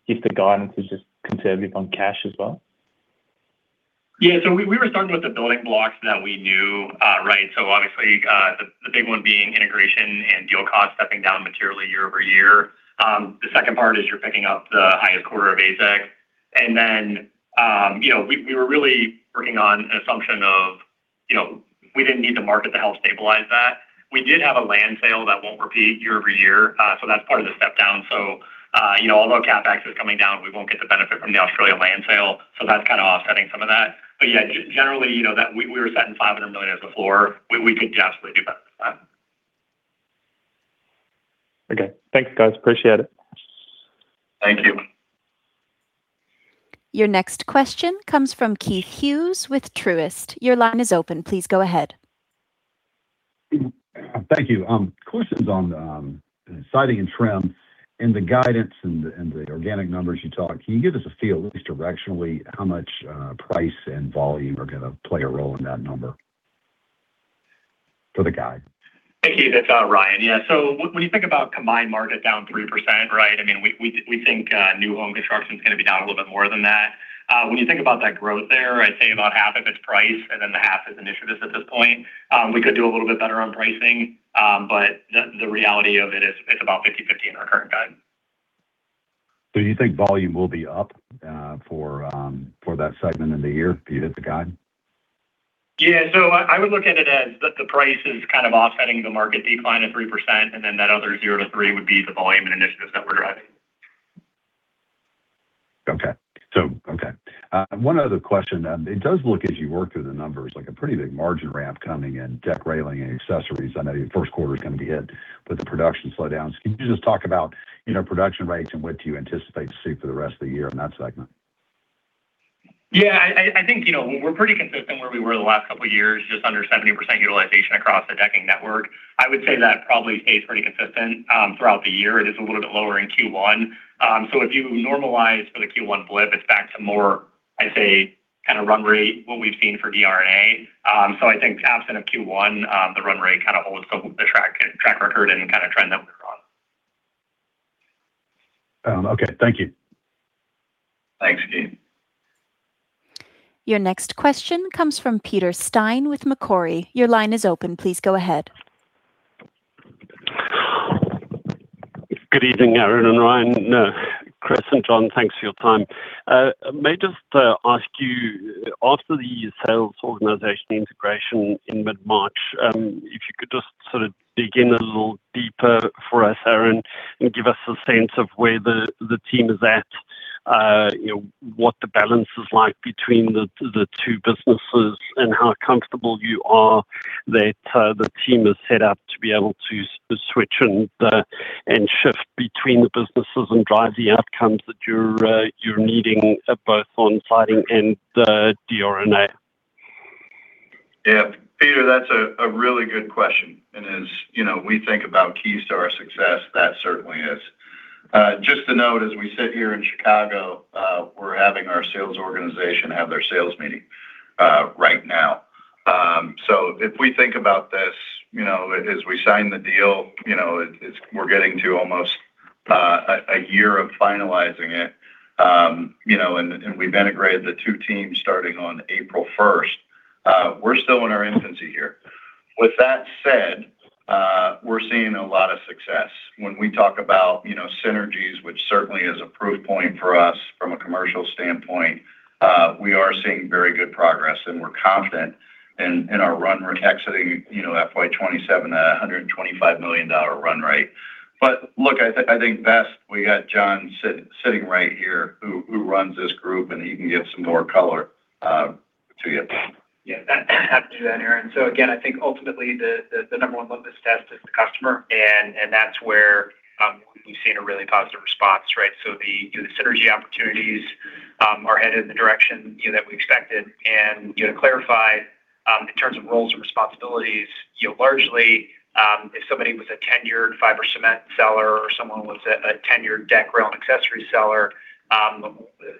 if the guidance is just conservative on cash as well? We were starting with the building blocks that we knew, right. Obviously, the big one being integration and deal costs stepping down materially year-over-year. You know, we were really working on an assumption of, you know, we didn't need the market to help stabilize that. We did have a land sale that won't repeat year-over-year, that's part of the step down. You know, although CapEx is coming down, we won't get the benefit from the Australia land sale, that's kind of offsetting some of that. Generally, you know, that we were setting $500 million as the floor. We could definitely do better than that. Okay. Thanks, guys. Appreciate it. Thank you. Your next question comes from Keith Hughes with Truist. Your line is open. Please go ahead. Thank you. Questions on Siding and Trim and the guidance and the, and the organic numbers you talk. Can you give us a feel, at least directionally, how much price and volume are gonna play a role in that number for the guide? Hey, Keith, it's Ryan. Yeah. When you think about combined market down 3%, right? I mean, we think new home construction's gonna be down a little bit more than that. When you think about that growth there, I'd say about half of it's price and then the half is initiatives at this point. We could do a little bit better on pricing, but the reality of it is it's about 50/50 in our current guide. You think volume will be up for that segment in the year to hit the guide? Yeah. I would look at it as the price is kind of offsetting the market decline of 3%, and then that other 0%-3% would be the volume and initiatives that we're driving. Okay. One other question. It does look as you work through the numbers like a pretty big margin ramp coming in Deck Rail and Accessories. I know your first quarter is gonna be hit with the production slowdowns. Can you just talk about, you know, production rates and what do you anticipate to see for the rest of the year in that segment? I think, you know, we're pretty consistent where we were the last couple of years, just under 70% utilization across the decking network. I would say that probably stays pretty consistent throughout the year. It is a little bit lower in Q1. If you normalize for the Q1 blip, it's back to more, I'd say, kinda run rate, what we've seen for DR&A. I think absent of Q1, the run rate kinda holds the track record and kinda trend that we're on. Okay. Thank you. Thanks, Keith. Your next question comes from Peter Steyn with Macquarie. Your line is open. Please go ahead. Good evening, Aaron and Ryan. Chris and John, thanks for your time. May just ask you, after the sales organization integration in mid-March, if you could just sort of dig in a little deeper for us, Aaron, and give us a sense of where the team is at, you know, what the balance is like between the two businesses and how comfortable you are that the team is set up to be able to switch and shift between the businesses and drive the outcomes that you're needing, both on Siding and the DR&A. Yeah. Peter, that's a really good question. As you know, we think about keys to our success, that certainly is. Just to note, as we sit here in Chicago, we're having our sales organization have their sales meeting right now. If we think about this, you know, as we sign the deal, you know, it's we're getting to almost a year of finalizing it. You know, and we've integrated the two teams starting on April first. We're still in our infancy here. With that said, we're seeing a lot of success. When we talk about, you know, synergies, which certainly is a proof point for us from a commercial standpoint, we are seeing very good progress, and we're confident in our run rate exiting, you know, FY 2027 at a $125 million run rate. Look, I think best we got John sitting right here who runs this group, and he can give some more color to you. Happy to do that, Aaron. Again, I think ultimately the number one love test is the customer, and that's where we've seen a really positive response, right? The, you know, the synergy opportunities are headed in the direction, you know, that we expected. To clarify, in terms of roles and responsibilities, you know, largely, if somebody was a tenured fiber cement seller or someone was a tenured Deck Rail and Accessories seller,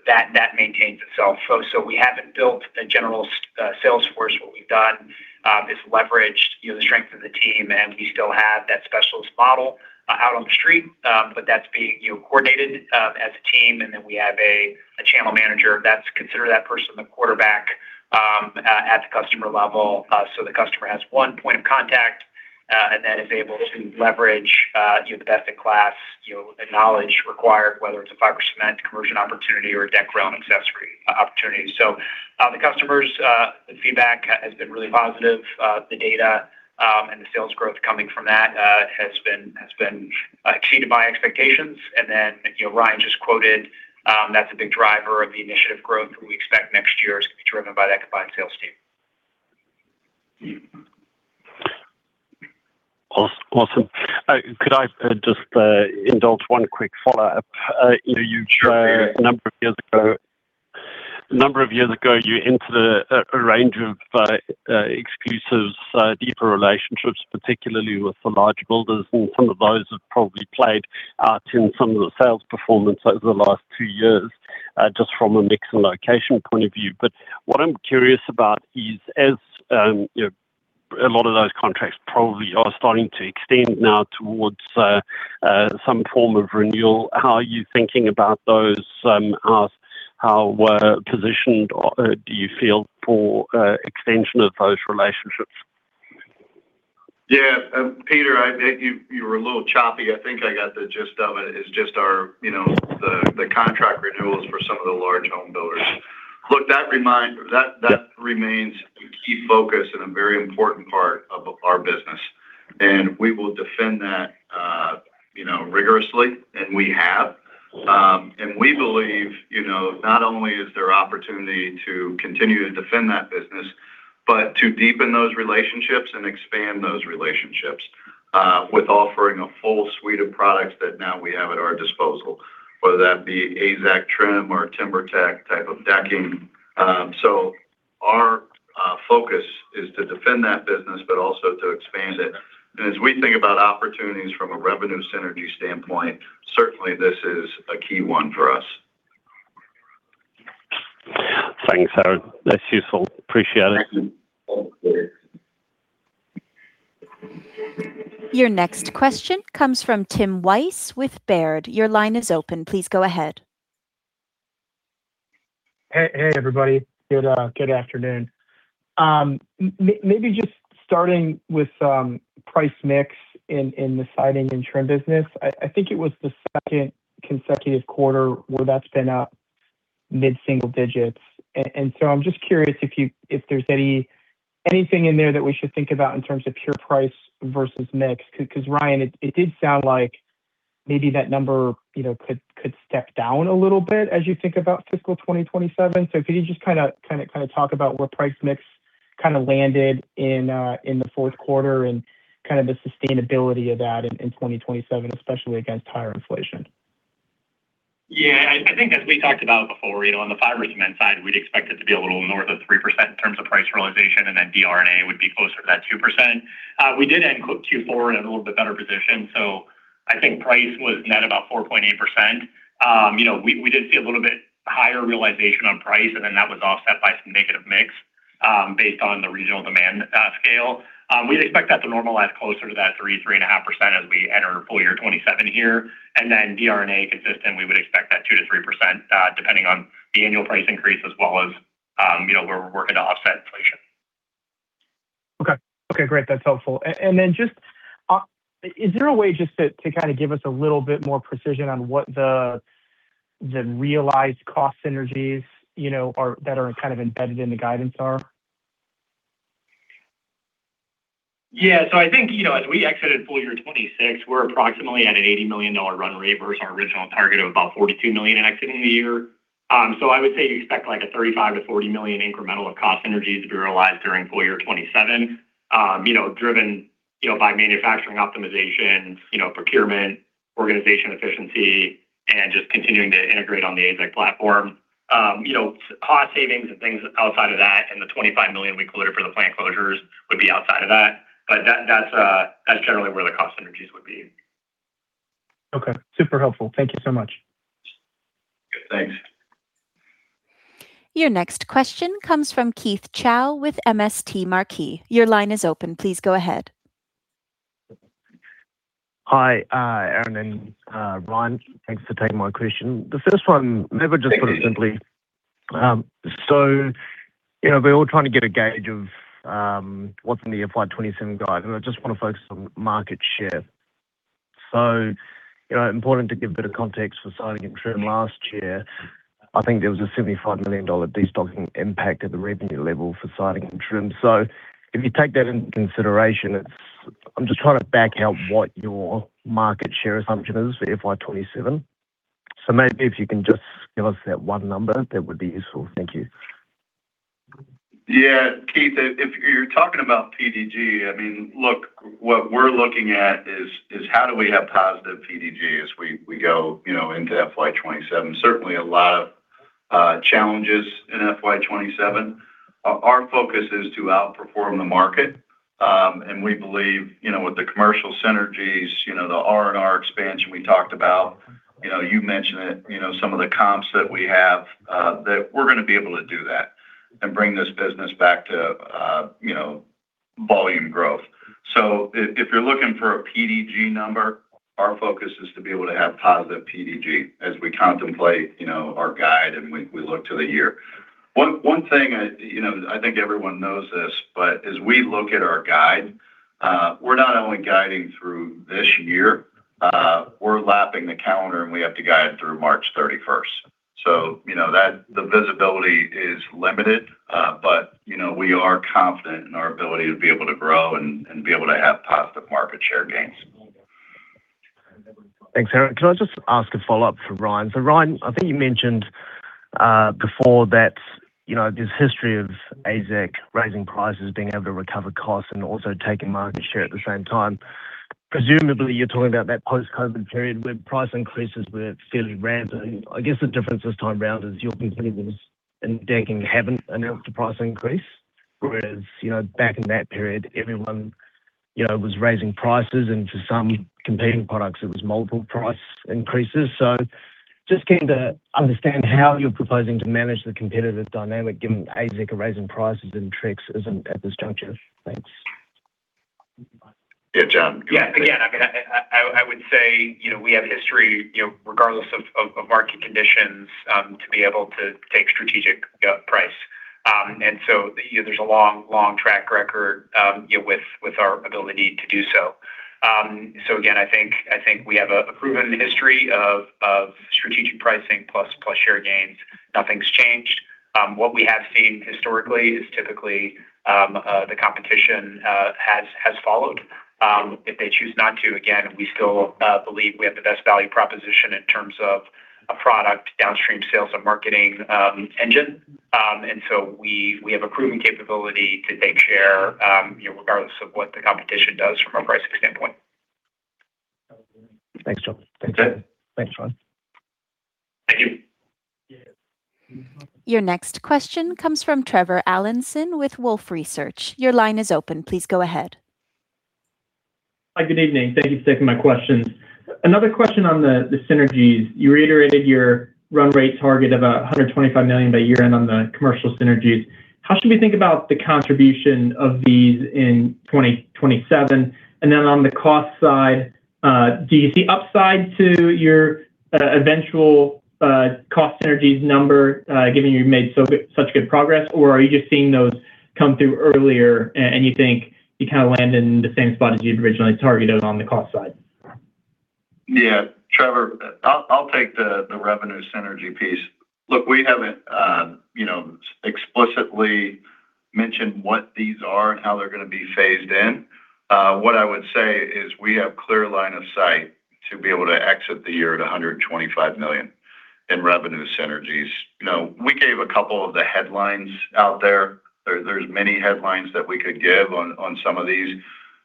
that maintains itself. We haven't built a general sales force. What we've done is leveraged, you know, the strength of the team, and we still have that specialist model out on the street. But that's being, you know, coordinated as a team. We have a channel manager that's considered that person the quarterback at the customer level. The customer has one point of contact and then is able to leverage, you know, the best in class, you know, the knowledge required, whether it's a fiber cement conversion opportunity or a Deck Rail and Accessories opportunity. The customers' feedback has been really positive. The data and the sales growth coming from that has been exceeded my expectations. You know, Ryan just quoted, that's a big driver of the initiative growth we expect next year is gonna be driven by that combined sales team. Awesome. Could I just indulge one quick follow-up? You know, a number of years ago, you entered a range of exclusive, deeper relationships, particularly with the large builders, and some of those have probably played out in some of the sales performance over the last two years, just from a mix and location point of view. What I'm curious about is as, you know, a lot of those contracts probably are starting to extend now towards some form of renewal, how are you thinking about those? How positioned do you feel for extension of those relationships? Peter, I think you were a little choppy. I think I got the gist of it. It's just our, you know, the contract renewals for some of the large home builders. That remains a key focus and a very important part of our business, and we will defend that, you know, rigorously, and we have. We believe, you know, not only is there opportunity to continue to defend that business, but to deepen those relationships and expand those relationships with offering a full suite of products that now we have at our disposal, whether that be AZEK trim or TimberTech type of decking. Our focus is to defend that business but also to expand it. As we think about opportunities from a revenue synergy standpoint, certainly this is a key one for us. Thanks, Aaron. That's useful. Appreciate it. Thanks. Your next question comes from Tim Wojs with Baird. Your line is open. Please go ahead. Hey, everybody. Good, good afternoon. Maybe just starting with price mix in the Siding and Trim business. I think it was the second consecutive quarter where that's been up mid-single digits. I'm just curious if there's anything in there that we should think about in terms of pure price versus mix. Ryan, it did sound like maybe that number, you know, could step down a little bit as you think about fiscal 2027. Could you just kinda talk about where price mix kinda landed in the fourth quarter and kind of the sustainability of that in 2027, especially against higher inflation? I think as we talked about before, you know, on the fiber cement side, we'd expect it to be a little north of 3% in terms of price realization, and then DR&A would be closer to that 2%. We did end Q4 in a little bit better position. I think price was net about 4.8%. You know, we did see a little bit higher realization on price, and then that was offset by some negative mix, based on the regional demand, scale. We'd expect that to normalize closer to that 3%-3.5% as we enter full year 2027 here. DR&A consistent, we would expect that 2%-3%, depending on the annual price increase as well as, you know, where we're working to offset inflation. Okay, great. That's helpful. Then just, is there a way just to kinda give us a little bit more precision on what the realized cost synergies, you know, that are kind of embedded in the guidance are? I think, you know, as we exited FY 2026, we're approximately at an $80 million run rate versus our original target of about $42 million in exiting the year. I would say expect, like, a $35 million-$40 million incremental of cost synergies to be realized during FY 2027, you know, driven, you know, by manufacturing optimization, you know, procurement, organization efficiency, and just continuing to integrate on the AZEK platform. You know, cost savings and things outside of that and the $25 million we quoted for the plant closures would be outside of that. That, that's generally where the cost synergies would be. Okay. Super helpful. Thank you so much. Thanks Your next question comes from Keith Chau with MST Marquee. Your line is open. Please go ahead. Hi, Aaron and Ryan. Thanks for taking my question. Thank you. Maybe just put it simply. You know, we're all trying to get a gauge of what's in the FY 2027 guide, and I just wanna focus on market share. You know, important to give a bit of context for Siding and Trim last year. I think there was a $75 million destocking impact at the revenue level for Siding and Trim. If you take that into consideration, I'm just trying to back out what your market share assumption is for FY 2027. Maybe if you can just give us that one number, that would be useful. Thank you. Yeah, Keith, if you're talking about PDG, I mean, look, what we're looking at is how do we have positive PDG as we go, you know, into FY 2027. Certainly a lot of challenges in FY 2027. Our focus is to outperform the market. We believe, you know, with the commercial synergies, you know, the R&R expansion we talked about. You know, you mentioned it, you know, some of the comps that we have that we're gonna be able to do that and bring this business back to, you know, volume growth. If you're looking for a PDG number, our focus is to be able to have positive PDG as we contemplate, you know, our guide and we look to the year. One thing I, you know, I think everyone knows this, but as we look at our guide, we're not only guiding through this year, we're lapping the calendar, and we have to guide through March thirty-first. You know, the visibility is limited, but, you know, we are confident in our ability to be able to grow and be able to have positive market share gains. Thanks, Aaron. Can I just ask a follow-up for Ryan? Ryan, I think you mentioned before that, you know, there's history of AZEK raising prices, being able to recover costs and also taking market share at the same time. Presumably, you're talking about that post-COVID period where price increases were fairly rampant. I guess the difference this time around is your competitors in decking haven't announced a price increase. Whereas, you know, back in that period, everyone, you know, was raising prices, and for some competing products, it was multiple price increases. Just keen to understand how you're proposing to manage the competitive dynamic given AZEK are raising prices and Trex isn't at this juncture. Thanks. Yeah, John, go ahead. Yeah. Again, I mean, I would say, you know, we have history, you know, regardless of market conditions, to be able to take strategic, yeah price. You know, there's a long track record, you know, with our ability to do so. Again, I think we have a proven history of strategic pricing plus share gains. Nothing's changed. What we have seen historically is typically the competition has followed. If they choose not to, again, we still believe we have the best value proposition in terms of a product downstream sales and marketing engine. We have a proven capability to take share, you know, regardless of what the competition does from a pricing standpoint. Thanks, John. That's it. Thanks, Ryan. Thank you. Your next question comes from Trevor Allison with Wolfe Research. Your line is open. Please go ahead. Hi. Good evening. Thank you for taking my questions. Another question on the synergies. You reiterated your run rate target of $125 million by year-end on the commercial synergies. How should we think about the contribution of these in 2027? On the cost side, do you see upside to your eventual cost synergies number, given you've made such good progress? Are you just seeing those come through earlier and you think you kinda land in the same spot as you'd originally targeted on the cost side? Yeah, Trevor, I'll take the revenue synergy piece. Look, we haven't, you know, explicitly mentioned what these are and how they're going to be phased in. What I would say is we have clear line of sight to be able to exit the year at $125 million in revenue synergies. You know, we gave a couple of the headlines out there. There's many headlines that we could give on some of these.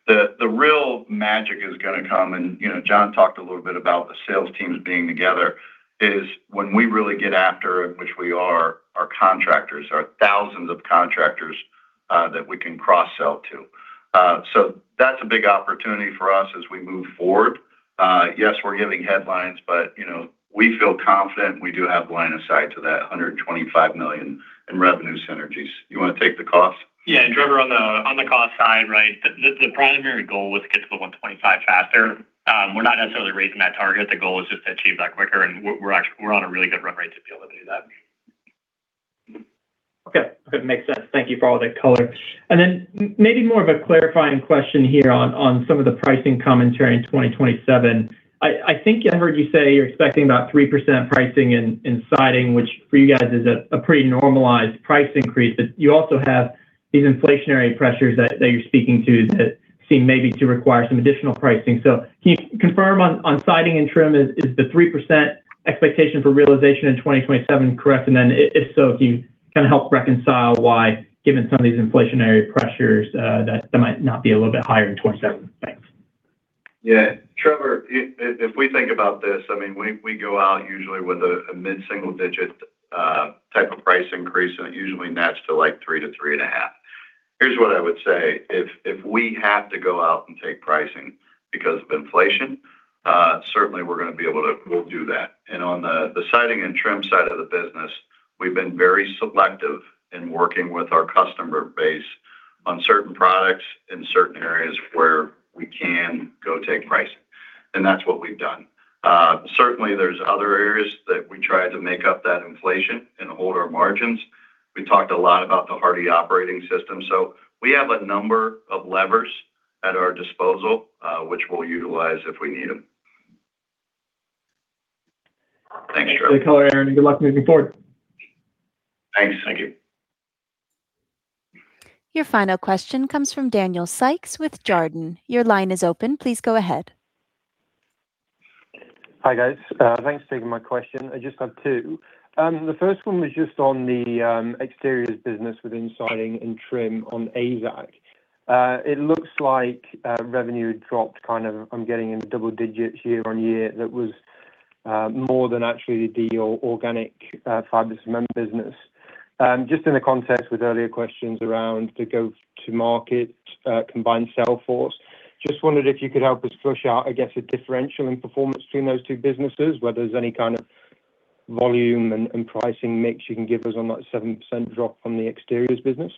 The real magic is going to come, and, you know, John talked a little bit about the sales teams being together, is when we really get after it, which we are, our contractors, our thousands of contractors, that we can cross-sell to. That's a big opportunity for us as we move forward. Yes, we're giving headlines, you know, we feel confident we do have line of sight to that $125 million in revenue synergies. You wanna take the cost? Yeah. Trevor, on the cost side, right? The primary goal was to get to the 125 faster. We're not necessarily raising that target. The goal is just to achieve that quicker, and we're on a really good run rate to be able to do that. Okay. Good. Makes sense. Thank you for all the color. Then maybe more of a clarifying question here on some of the pricing commentary in 2027. I think I heard you say you're expecting about 3% pricing in Siding, which for you guys is a pretty normalized price increase. You also have these inflationary pressures that you're speaking to that seem maybe to require some additional pricing. Can you confirm on Siding and Trim is the 3% expectation for realization in 2027 correct? Then if so, can you kinda help reconcile why, given some of these inflationary pressures, that might not be a little bit higher in 2027? Thanks. Yeah. Trevor, if we think about this, I mean, we go out usually with a mid-single digit increase and it usually nets to like 3%-3.5%. Here's what I would say. If we have to go out and take pricing because of inflation, certainly we'll do that. On the Siding and Trim side of the business, we've been very selective in working with our customer base on certain products in certain areas where we can go take pricing, and that's what we've done. Certainly there's other areas that we try to make up that inflation and hold our margins. We talked a lot about the Hardie Operating System. We have a number of levers at our disposal, which we'll utilize if we need them. Thanks, Trevor. Great color, Aaron, and good luck moving forward. Thank you. Your final question comes from Daniel Sykes with Jarden. Your line is open. Please go ahead. Hi, guys. Thanks for taking my question. I just have two. The first one was just on the exteriors business within Siding and Trim on AZEK. It looks like revenue dropped kind of I'm getting into double digits year-on-year that was more than actually the organic fiber cement business. Just in the context with earlier questions around the go-to-market combined sales force, just wondered if you could help us flush out, I guess, the differential in performance between those two businesses, whether there's any kind of volume and pricing mix you can give us on that 7% drop from the exteriors business.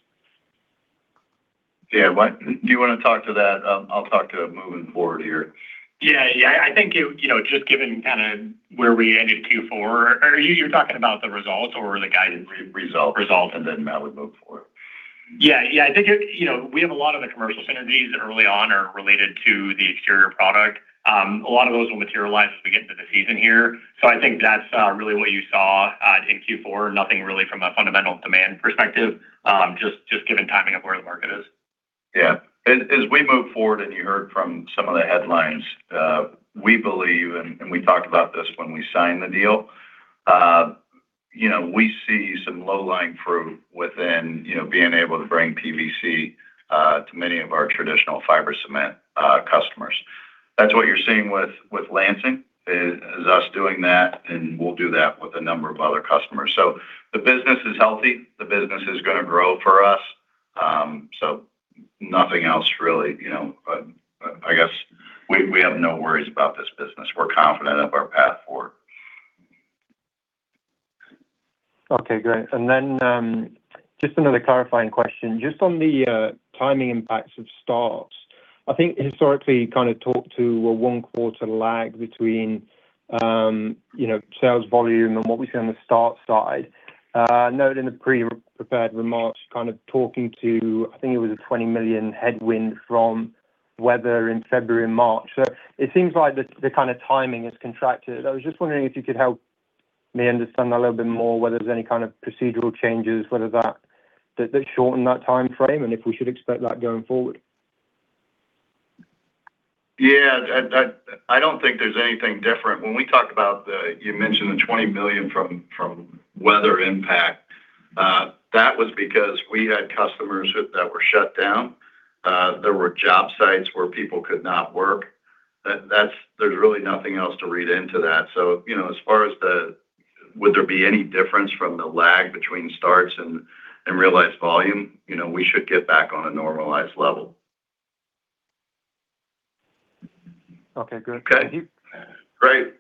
Yeah. Do you wanna talk to that? I'll talk to moving forward here. Yeah. I think it, you know, just given kind of where we ended Q4. Are you talking about the results or the guided results? How we move forward? Yeah. Yeah. I think it, you know, we have a lot of the commercial synergies that early on are related to the exterior product. A lot of those will materialize as we get into the season here. I think that's really what you saw in Q4. Nothing really from a fundamental demand perspective, just given timing of where the market is. Yeah. As we move forward, and you heard from some of the headlines, we believe, and we talked about this when we signed the deal, you know, we see some low-lying fruit within, you know, being able to bring PVC to many of our traditional fiber cement customers. That's what you're seeing with Lansing is us doing that. We'll do that with a number of other customers. The business is healthy. The business is gonna grow for us. Nothing else really, you know. I guess we have no worries about this business. We're confident of our path forward. Okay, great. Just another clarifying question. Just on the timing impacts of starts, I think historically you kind of talked to a one quarter lag between, you know, sales volume and what we see on the start side. Noted in the pre-prepared remarks, kind of talking to, I think it was a $20 million headwind from weather in February and March. It seems like the kind of timing has contracted. I was just wondering if you could help me understand a little bit more whether there's any kind of procedural changes, whether that shortened that timeframe and if we should expect that going forward. Yeah. I don't think there's anything different. When we talked about the $20 million from weather impact. That was because we had customers that were shut down. There were job sites where people could not work. There's really nothing else to read into that. You know, as far as the would there be any difference from the lag between starts and realized volume, you know, we should get back on a normalized level. Okay, good. Okay. Thank you. Great.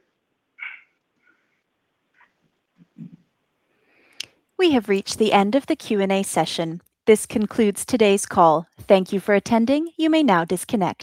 We have reached the end of the Q&A session. This concludes today's call. Thank you for attending. You may now disconnect.